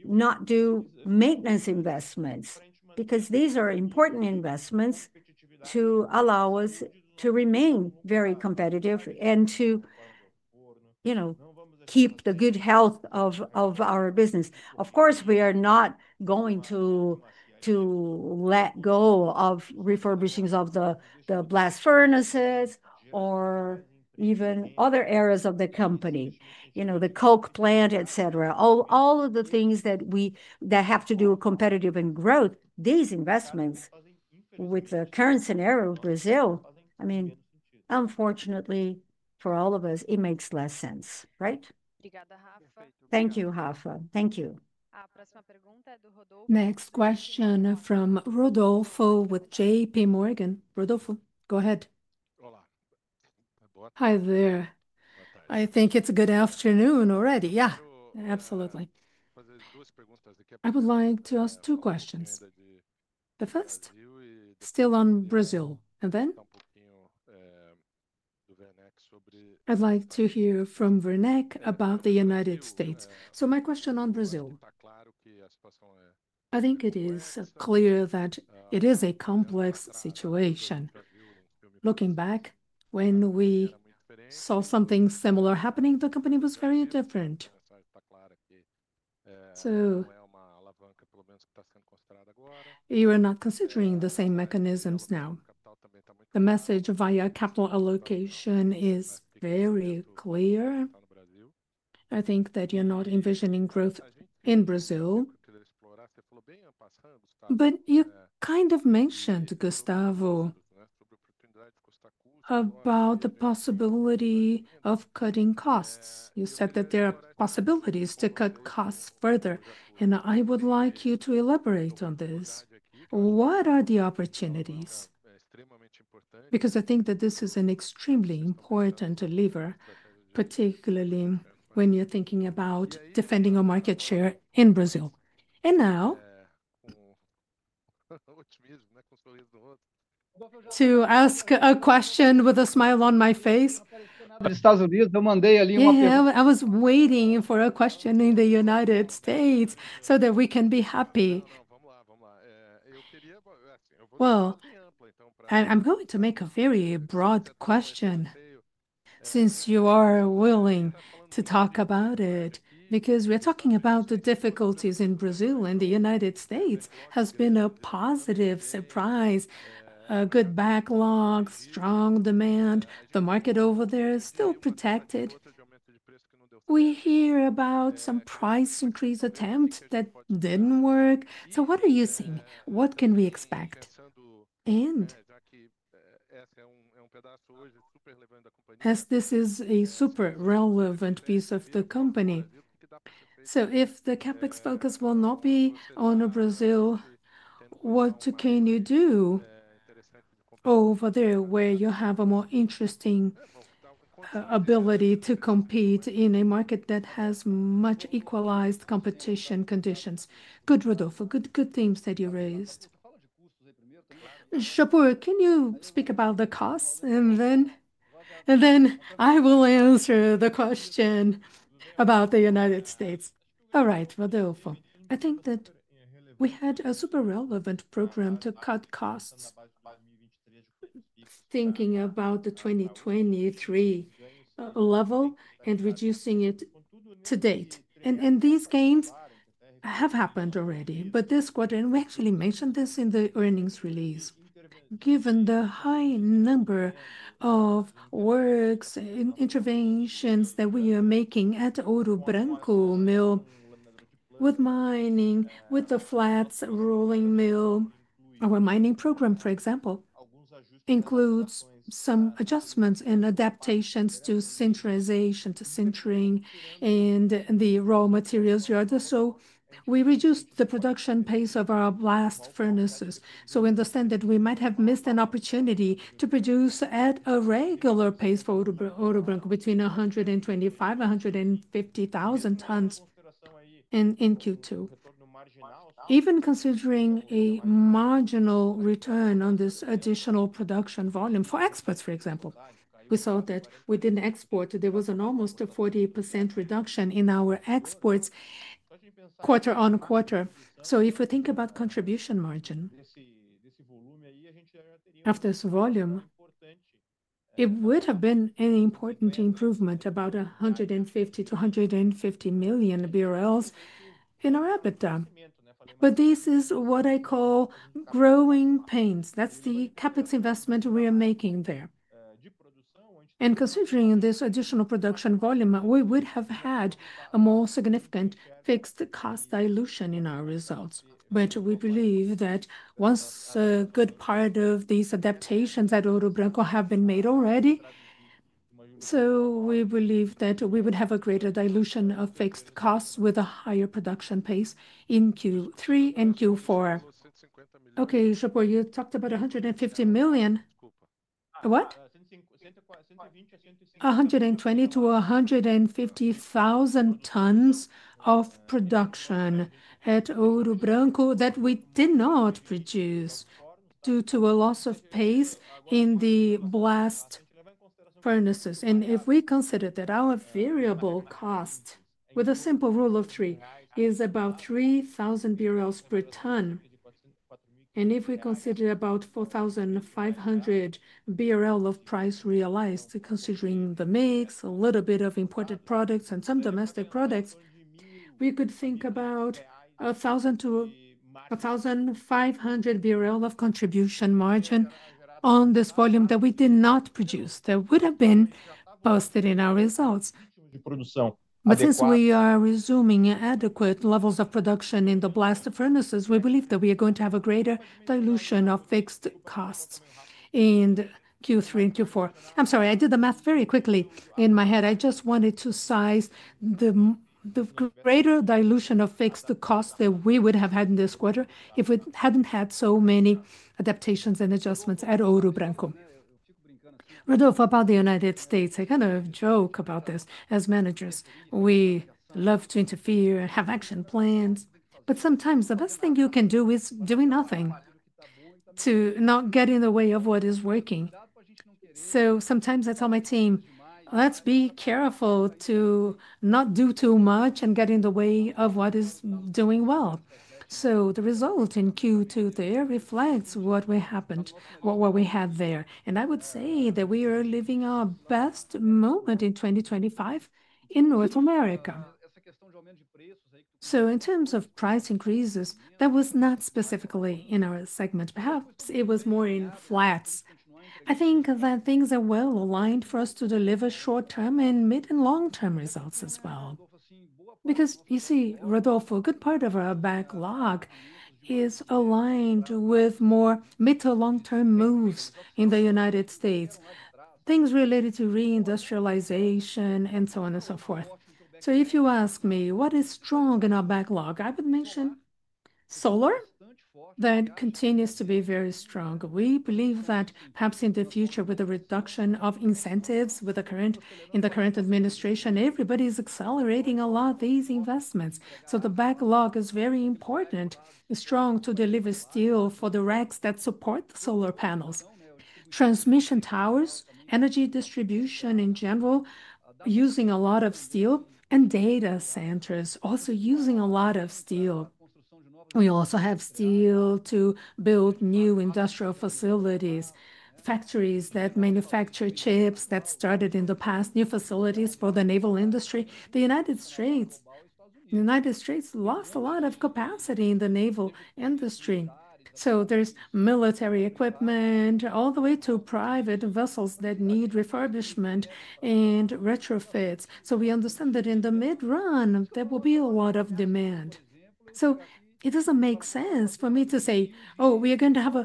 not do maintenance investments because these are important investments to allow us to remain very competitive and to keep the good health of our business. Of course, we are not going to let go of refurbishings of the blast furnaces or even other areas of the company, the coke plant, et cetera. All of these have to do with competitive and growth investments. With the current scenario of Brazil, unfortunately for all of us, it makes less sense. Right? Thank you. Thank you. Next question from Rodolfo with JPMorgan. Rodolfo, go ahead. Hi there. I think it's a good afternoon already. Yeah, absolutely. I would like to ask two questions. The first still on Brazil and then I'd like to hear from Werneck about the United States. My question on Brazil, I think it is clear that it is a complex situation. Looking back when we saw something similar happening, the company was very different. You are not considering the same mechanisms now. The message via capital allocation is very clear. I think that you're not envisioning growth in Brazil. You kind of mentioned, Gustavo, about the possibility of cutting costs. You said that there are possibilities to cut costs further. I would like you to elaborate on this. What are the opportunities? I think that this is an extremely important lever, particularly when you're thinking about defending a market share in Brazil. Now to ask a question with a smile on my face, I was waiting for a question in the United States so that we can be happy. I'm going to make a very broad question since you are willing to talk about it. We're talking about the difficulties in Brazil and the United States has been a positive surprise. Good backlog, strong demand. The market over there is still protected. We hear about some price increase attempt that didn't work. What are you seeing? What can we expect? This is a super relevant piece of the company. If the capex focus will not be on Brazil, what can you do over there where you have a more interesting ability to compete in a market that has much equalized competition conditions? Good, Rodolfo, good things that you raised. Japur, can you speak about the costs? Then I will answer the question about the United States. All right. I think that we had a super relevant program to cut costs. Thinking about the 2023 level and reducing it to date and in these gains have happened already. This quarter, and we actually mentioned this in the earnings release, given the high number of works interventions that we are making at Ouro Branco Mill with mining, with the Flats Rolling mill, our mining program for example, includes some adjustments and adaptations to centralization, sintering and the raw materials yard. We reduced the production pace of our blast furnaces. We understand that we might have missed an opportunity to produce at a regular pace for Ouro Branco between 125,000 and 150,000 tons in Q2. Even considering a marginal return on this additional production volume for exports, for example, we saw that within export there was an almost 40% reduction in our exports quarter on quarter. If we think about contribution margin of this volume, it would have been an important improvement, about 150 million-150 million in our EBITDA. That's the CapEx investment we are making there. Considering this additional production volume, we would have had a more significant fixed cost dilution in our results. We believe that once a good part of these adaptations at Ouro Branco have been made already, we would have a greater dilution of fixed costs with a higher production pace in Q3 and Q4. You talked about 150 million, what, 120,0000 to 150,000 tons of production at Ouro Branco that we did not produce due to a loss of pace in the blast furnaces. If we consider that our variable cost with a simple rule of three is about 3,000 BRL per ton, and if we consider about 4,500 BRL of price realized, considering the mix, a little bit of imported products and some domestic products, we could think about 1,000-1,500 BRL of contribution margin on this volume that we did not produce. That would have been posted in our results. Since we are resuming adequate levels of production in the blast furnaces, we believe that we are going to have a greater dilution of fixed costs in Q3 and Q4. I'm sorry, I did the math very quickly in my head. I just wanted to size the greater dilution of fixed costs that we would have had in this quarter if we hadn't had so many adaptations and adjustments at Ouro Branco. Rodolph, about the United States, I kind of joke about this. As managers, we love to interfere, have action plans. Sometimes the best thing you can do is doing nothing to not get in the way of what is working. I tell my team, let's be careful to not do too much and get in the way of what is doing well. The result in Q2 there reflects what happened, what we had there. I would say that we are living our best moment in 2025 in North America. In terms of price increases, that was not specifically in our segment. Perhaps it was more in flats. I think that things are well aligned for us to deliver short term and mid and long term results as well. You see, Rodolph, a good part of our backlog is aligned with more mid to long term moves in the United States. Things related to reindustrialization and so on and so forth. If you ask me what is strong in our backlog, I would mention solar that continues to be very strong. We believe that perhaps in the future with the reduction of incentives, with the current, in the current administration, everybody is accelerating a lot these investments. The backlog is very important. Strong to deliver stuff. Steel for the racks that support the solar panels, transmission towers, energy distribution in general using a lot of steel, and data centers also using a lot of steel. We also have steel to build new industrial facilities, factories that manufacture chips that started in the past, new facilities for the naval industry. The United States lost a lot of capacity in the naval industry. There is military equipment all the way to private vessels that need refurbishment and retrofits. We understand that in the mid run there will be a lot of demand. It does not make sense for me to say, oh, we are going to have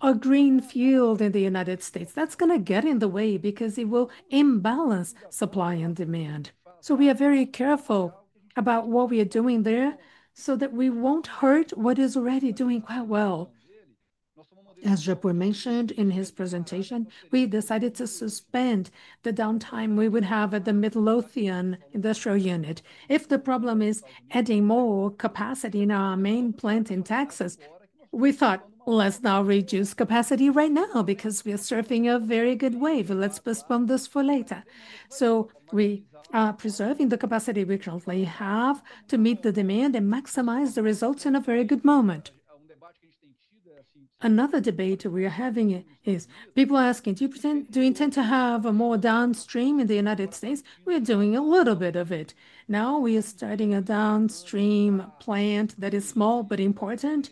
a greenfield in the United States that's going to get in the way because it will imbalance the supply and demand. We are very careful about what we are doing there so that we won't hurt what is already doing quite well. As Japur mentioned in his presentation, we decided to suspend the downtime we would have at the Midlothian industrial unit. If the problem is adding more capacity in our main plant in Texas, we thought let's not reduce capacity right now because we are surfing a very good wave. Let's postpone this for later. We are preserving the capacity we currently have to meet the demand and maximize the results. In a very good moment, another debate we are having is people asking do you intend to have more downstream in the United States? We are doing a little bit of it now. We are starting a downstream plant that is small but important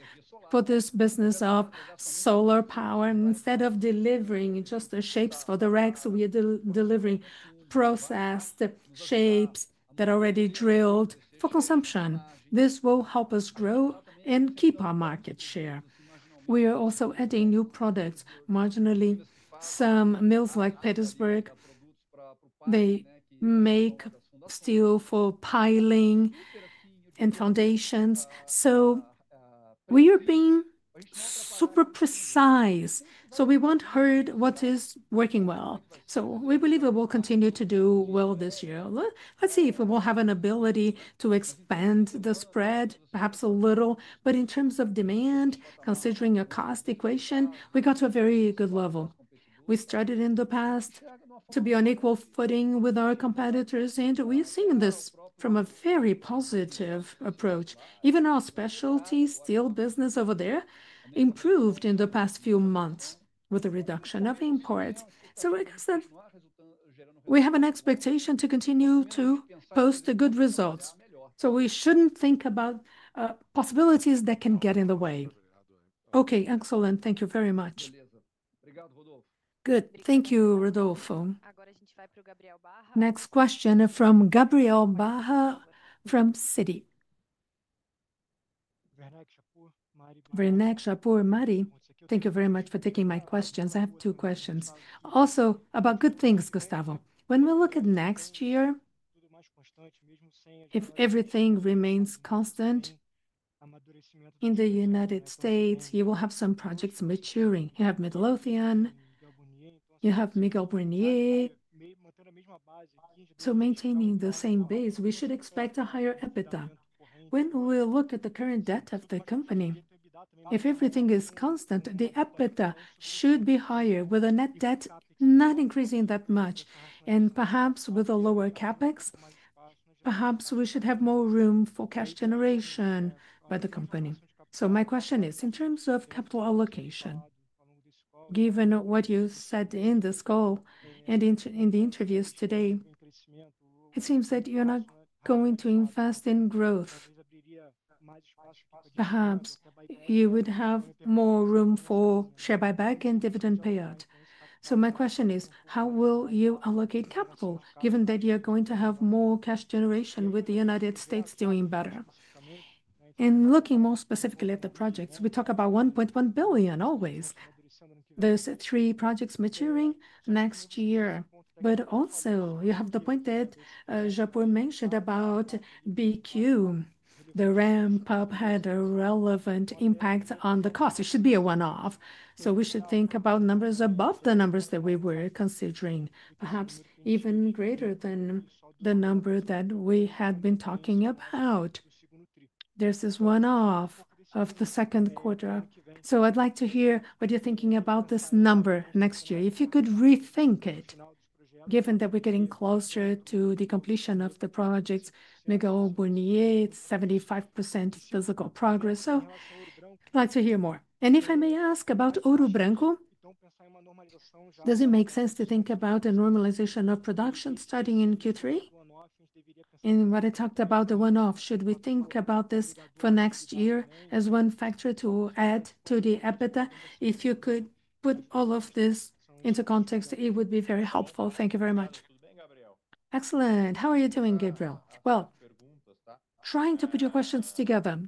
for this business of solar power. Instead of delivering just the shapes for the racks, we are delivering processed shapes that are already drilled for consumption. This will help us grow and keep our market share. We are also adding new products marginally. Some mills like Petersburg, they make steel for piling and foundations. We are being super precise. We want to not hurt what is working well. We believe it will continue to do well this year. Let's see if we will have an ability to expand the spread perhaps a little. In terms of demand, considering a cost equation, we got to a very good level. We started in the past to be on equal footing with our competitors and we're seeing this from a very positive approach. Even our special steel business over there improved in the past few months with the reduction of imports. I guess that we have an expectation to continue to post good results. We shouldn't think about possibilities that can get in the way. Okay, excellent. Thank you very much. Good. Thank you. Rodolfo, next question from Gabriel Barra from Citi. Thank you very much for taking my questions. I have two questions also about good things. Gustavo, when we look at next year, if everything remains constant in the United States, you will have some projects maturing. You have Midlothian, you have Miguel Burnier. Maintaining the same base, we should expect a higher EBITDA. When we look at the current debt of the company, if everything is constant, the EBITDA should be higher. With a net debt not increasing that much and perhaps with a lower CapEx, perhaps we should have more room for cash generation by the company. My question is in terms of capital allocation, given what you said in this call and in the interviews today, it seems that you're not going to invest in growth. Perhaps you would have more room for share buyback and dividend payout. My question is how will you allocate capital given that you're going to have more cash generation with the United States doing better and looking more specifically at the projects. We talk about $1.1 billion always. There are three projects maturing next year. You also have the point that Japur mentioned about BQ. The ramp up had a relevant impact on the cost. It should be a one-off. We should think about numbers above the numbers that we were considering, perhaps even greater than the number that we had been talking about. This is one-off of the second quarter. I'd like to hear what you're thinking about this number next year, if you could rethink it, given that we're getting closer to the completion of the project. 75% physical progress. I'd like to hear more. If I may ask about Ouro Branco, does it make sense to think about a normalization of production starting in Q3 and what I talked about, the one-off, should we think about this for next year as one factor to add to the EBITDA? If you could put all of this into context, it would be very helpful. Thank you very much. Excellent. How are you doing, Gabriel? Trying to put your questions together.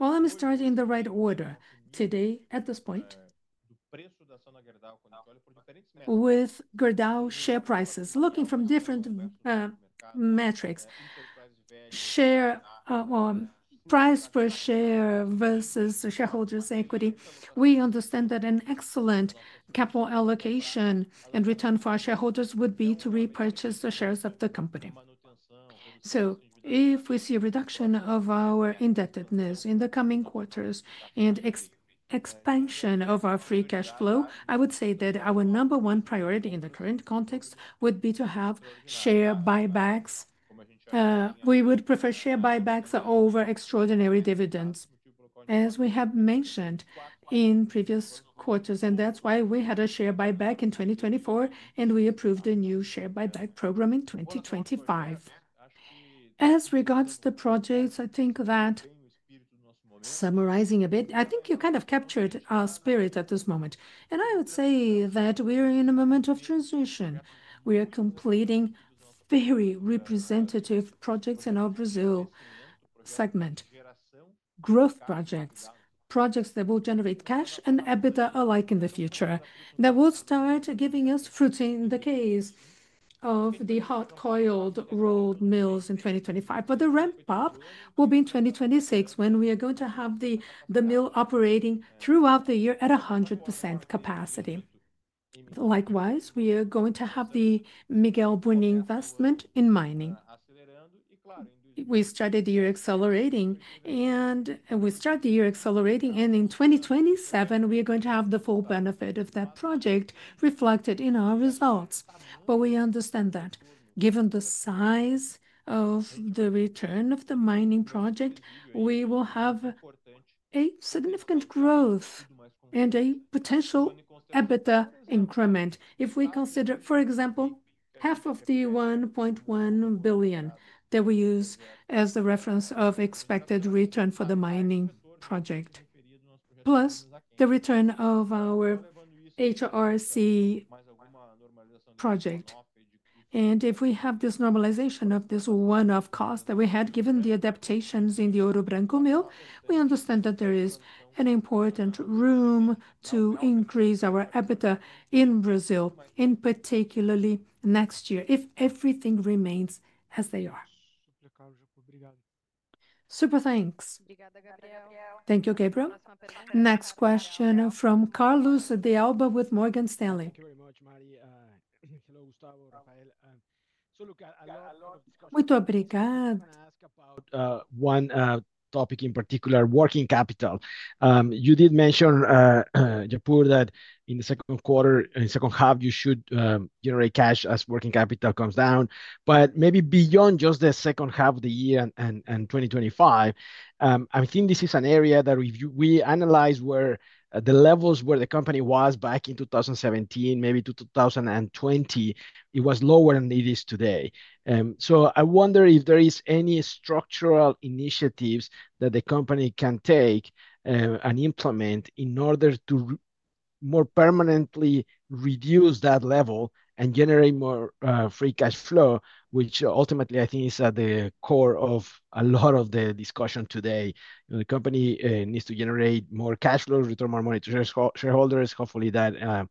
I'm starting in the right order today at this point with Gerdau share prices, looking from different metrics, share price per share versus shareholders' equity. We understand that an excellent capital allocation and return for our shareholders would be to repurchase the shares of the company. If we see a reduction of our indebtedness in the coming quarters and expansion of our free cash flow, I would say that our number one priority in the current context would be to have share buybacks. We would prefer share buybacks over extraordinary dividends, as we have mentioned in previous quarters. That's why we had a share buyback in 2024 and we approved a new share buyback program in 2025. As regards the projects, summarizing a bit, I think you kind of captured our spirit at this moment. I would say that we are in a moment of transition. We are completing very representative projects in our Brazil segment, growth projects, projects that will generate cash and EBITDA alike in the future. That will start giving us fruit in the case of the hot coiled rolled mills in 2025, but the ramp up will be in 2026 when we are going to have the mill operating throughout the year at 100% capacity. Likewise, we are going to have the Miguel Burnier investment in mining. We started the year accelerating and we start the year accelerating, and in 2027 we are going to have the full benefit of that mining project reflected in our results. We understand that given the size of the return of the mining project, we will have significant growth and a potential EBITDA increment. If we consider, for example, half of the 1.1 billion that we use as the reference of expected return for the mining project plus the return of our HRC project, and if we have this normalization of this one-off cost that we had given the adaptations in the Ouro Branco mill, we understand that there is important room to increase our EBITDA in Brazil, particularly next year if everything remains as they are. Super, thanks. Thank you, Gabriel. Next question from Carlos de Alba with Morgan Stanley. Thank you very much, Mari. Hello, Gustavo. Rafael. One topic in particular, working capital. You did mention that in the second quarter, in the second half you should generate cash as working capital comes down. Maybe beyond just the second half of the year and 2024, 2025, I think this is an area that we analyze where the levels where the company was back in 2017, maybe to 2020, it was lower than it is today. I wonder if there is any structural initiatives that the company can take and implement in order to more permanently reduce that level and generate more free cash flow, which ultimately I think is at the core of a lot of the discussion today. The company needs to generate more cash flows, return more money to shareholders. Hopefully that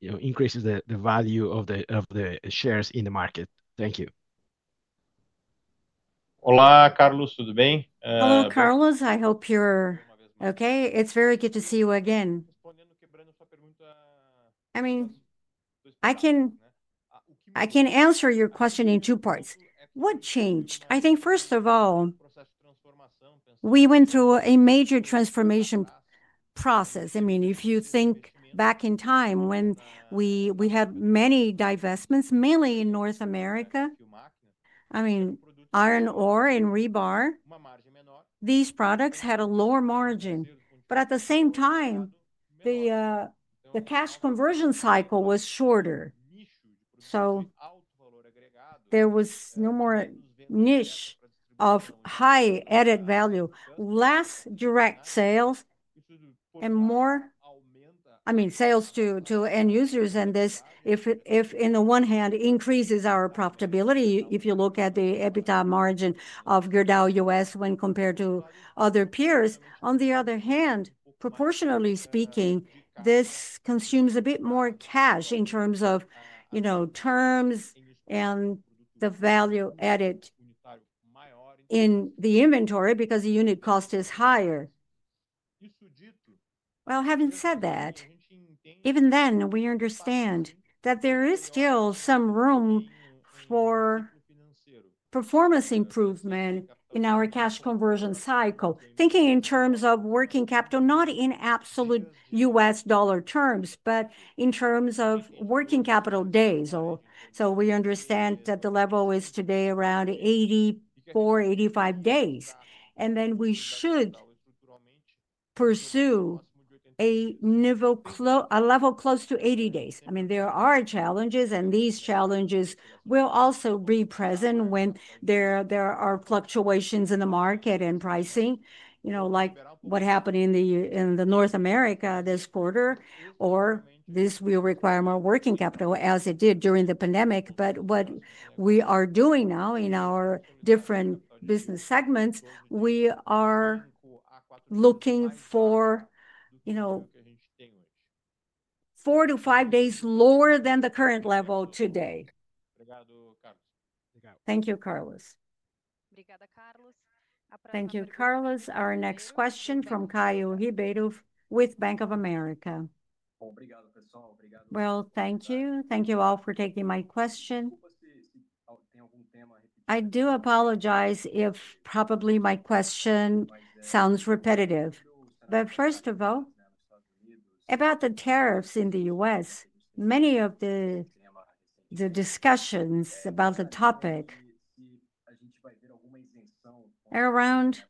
increases the value of the shares in the market. Thank you. Hola, Carlos.Hello, Carlos. I hope you're okay. It's very good to see you again. I can answer your question in two parts. What changed? I think first of all, we went through a major transformation process. If you think back in time when we had many divestments, mainly in North America, iron ore and rebar, these products had a lower margin, but at the same time the cash conversion cycle was shorter. There was no more niche of high added value, less direct sales and more sales to end users. This, if on the one hand, increases our profitability. If you look at the EBITDA margin of Gerdau U.S. when compared to other peers, on the other hand, proportionally speaking, this consumes a bit more cash in terms of terms and the value added in the inventory because the unit cost is higher. Having said that, even then we understand that there is still some room for performance improvement in our cash conversion cycle thinking in terms of working capital, not in absolute U.S. dollar terms, but in terms of working capital days. We understand that the level is today around 84, 85 days, and then we should pursue. A level close to 80 days. I mean, there are challenges and these challenges will also be present when there are fluctuations in the market and pricing, like what happened in North America this quarter. This will require more working capital, as it did during the pandemic. What we are doing now in our different business segments, we are looking for four to five days lower than the current level today. Thank you, Carlos. Thank you, Carlos. Our next question from Caio Ribeiro with Bank of America. Thank you. Thank you all for taking my question. I do apologize if probably my question sounds repetitive, but first of all about the tariffs in the U.S. Many of the discussions about the topic are around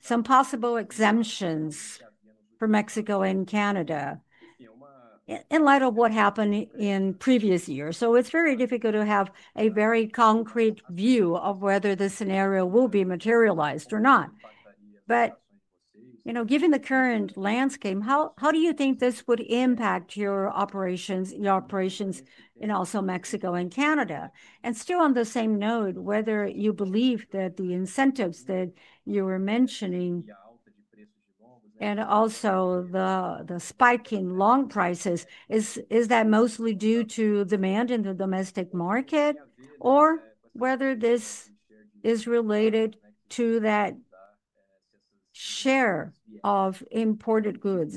some possible exemptions for Mexico and Canada in light of what happened in previous years. It's very difficult to have a very concrete view of whether the scenario will be materialized or not. Given the current landscape, how do you think this would impact your operations, your operations in also Mexico and Canada, and still, on the same note, whether you believe that the incentives that you were mentioning and also the spiking long prices, is that mostly due to demand in the domestic market or whether this is related to that share of imported goods?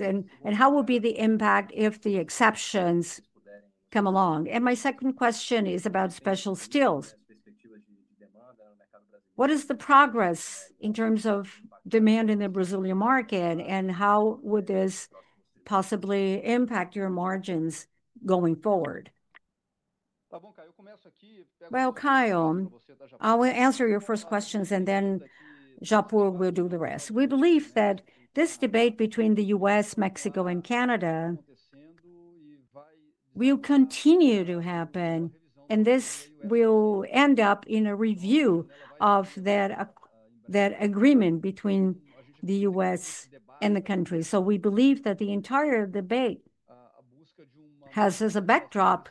How will be the impact if the exceptions come along? My second question is about special steels. What is the progress in terms of demand in the Brazilian market? How would this possibly impact your margins going forward? Caio, I will answer your first questions and then Japur will do the rest. We believe that this debate between the U.S., Mexico, and Canada will continue to happen and this will end up in a review of that agreement between the U.S. and the country. We believe that the entire debate has as a backdrop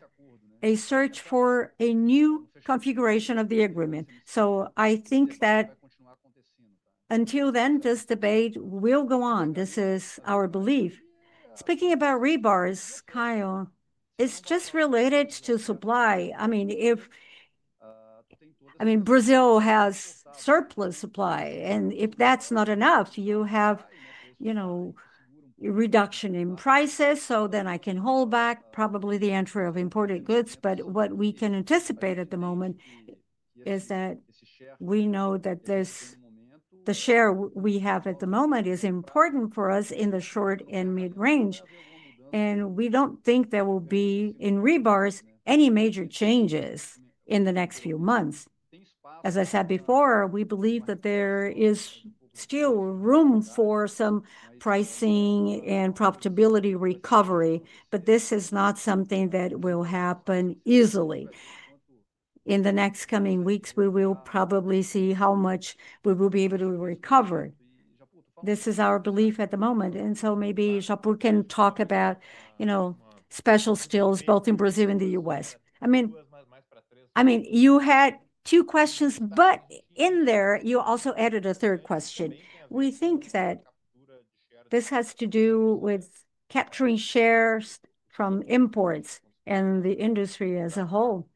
a search for a new configuration of the agreement. I think that until then, this debate will go on. This is our belief. Speaking about rebars, Caio, it's just related to supply. I mean, Brazil has surplus supply and if that's not enough, you have reduction in prices. Then I can hold back probably the entry of imported goods. What we can anticipate at the moment is that we know that the share we have at the moment is important for us in the short and mid range. We don't think there will be in rebars any major changes in the next few months. As I said before, we believe that there is still room for some pricing and profitability recovery, but this is not something that will happen easily. In the next coming weeks, we will probably see how much we will be able to recover. This is our belief at the moment. Maybe Japur can talk about special steels both in Brazil and the U.S. I mean, you had two questions, but in there you also added a third question. We think that this has to do with capturing shares from imports and the industry as a whole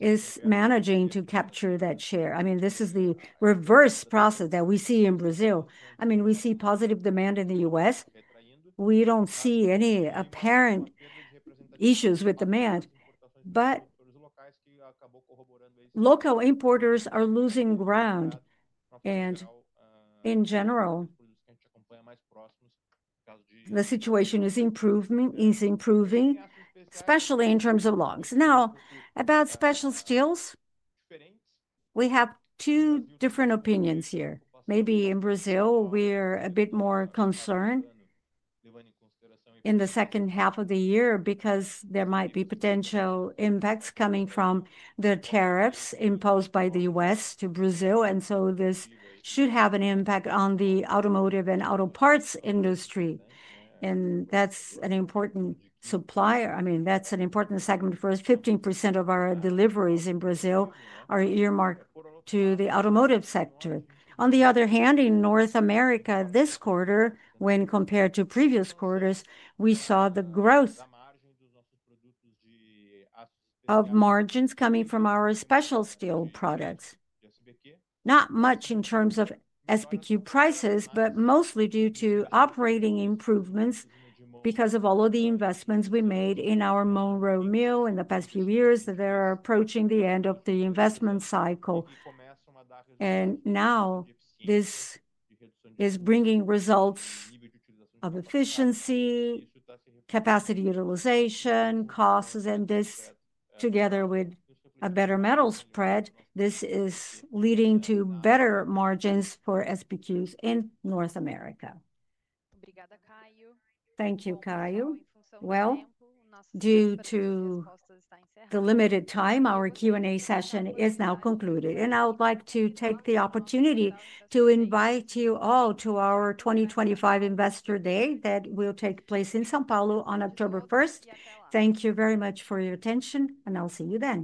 is managing to capture that share. This is the reverse process that we see in Brazil. We see positive demand in the U.S. We do not see any apparent issues with demand, but local importers are losing ground. In general, the situation is improving, especially in terms of logs. Now, about special steels, we have two different opinions here. Maybe in Brazil we're a bit more concerned in the second half of the year because there might be potential impacts coming from the tariffs imposed by the U.S. to Brazil. This should have an impact on the automotive and auto parts industry. That's an important segment for us. 15% of our deliveries in Brazil are earmarked to the automotive sector. On the other hand, in North America this quarter, when compared to previous quarters, we saw the growth of margins coming from our special steel products. Not much in terms of SPQ prices, but mostly due to operating improvements. Because of all of the investments we made in our Monroe Mill in the past few years, they are approaching the end of the investment cycle. Now this is bringing results of efficiency, capacity, utilization, costs, and this, together with a better metal spread, is leading to better margins for SPQs in North America. Thank you, Caio. Due to the limited time, our Q&A session is now concluded and I would like to take the opportunity to invite you all to our 2025 Investor Day that will take place in São Paulo on October 1st. Thank you very much for your attention and I'll see you then.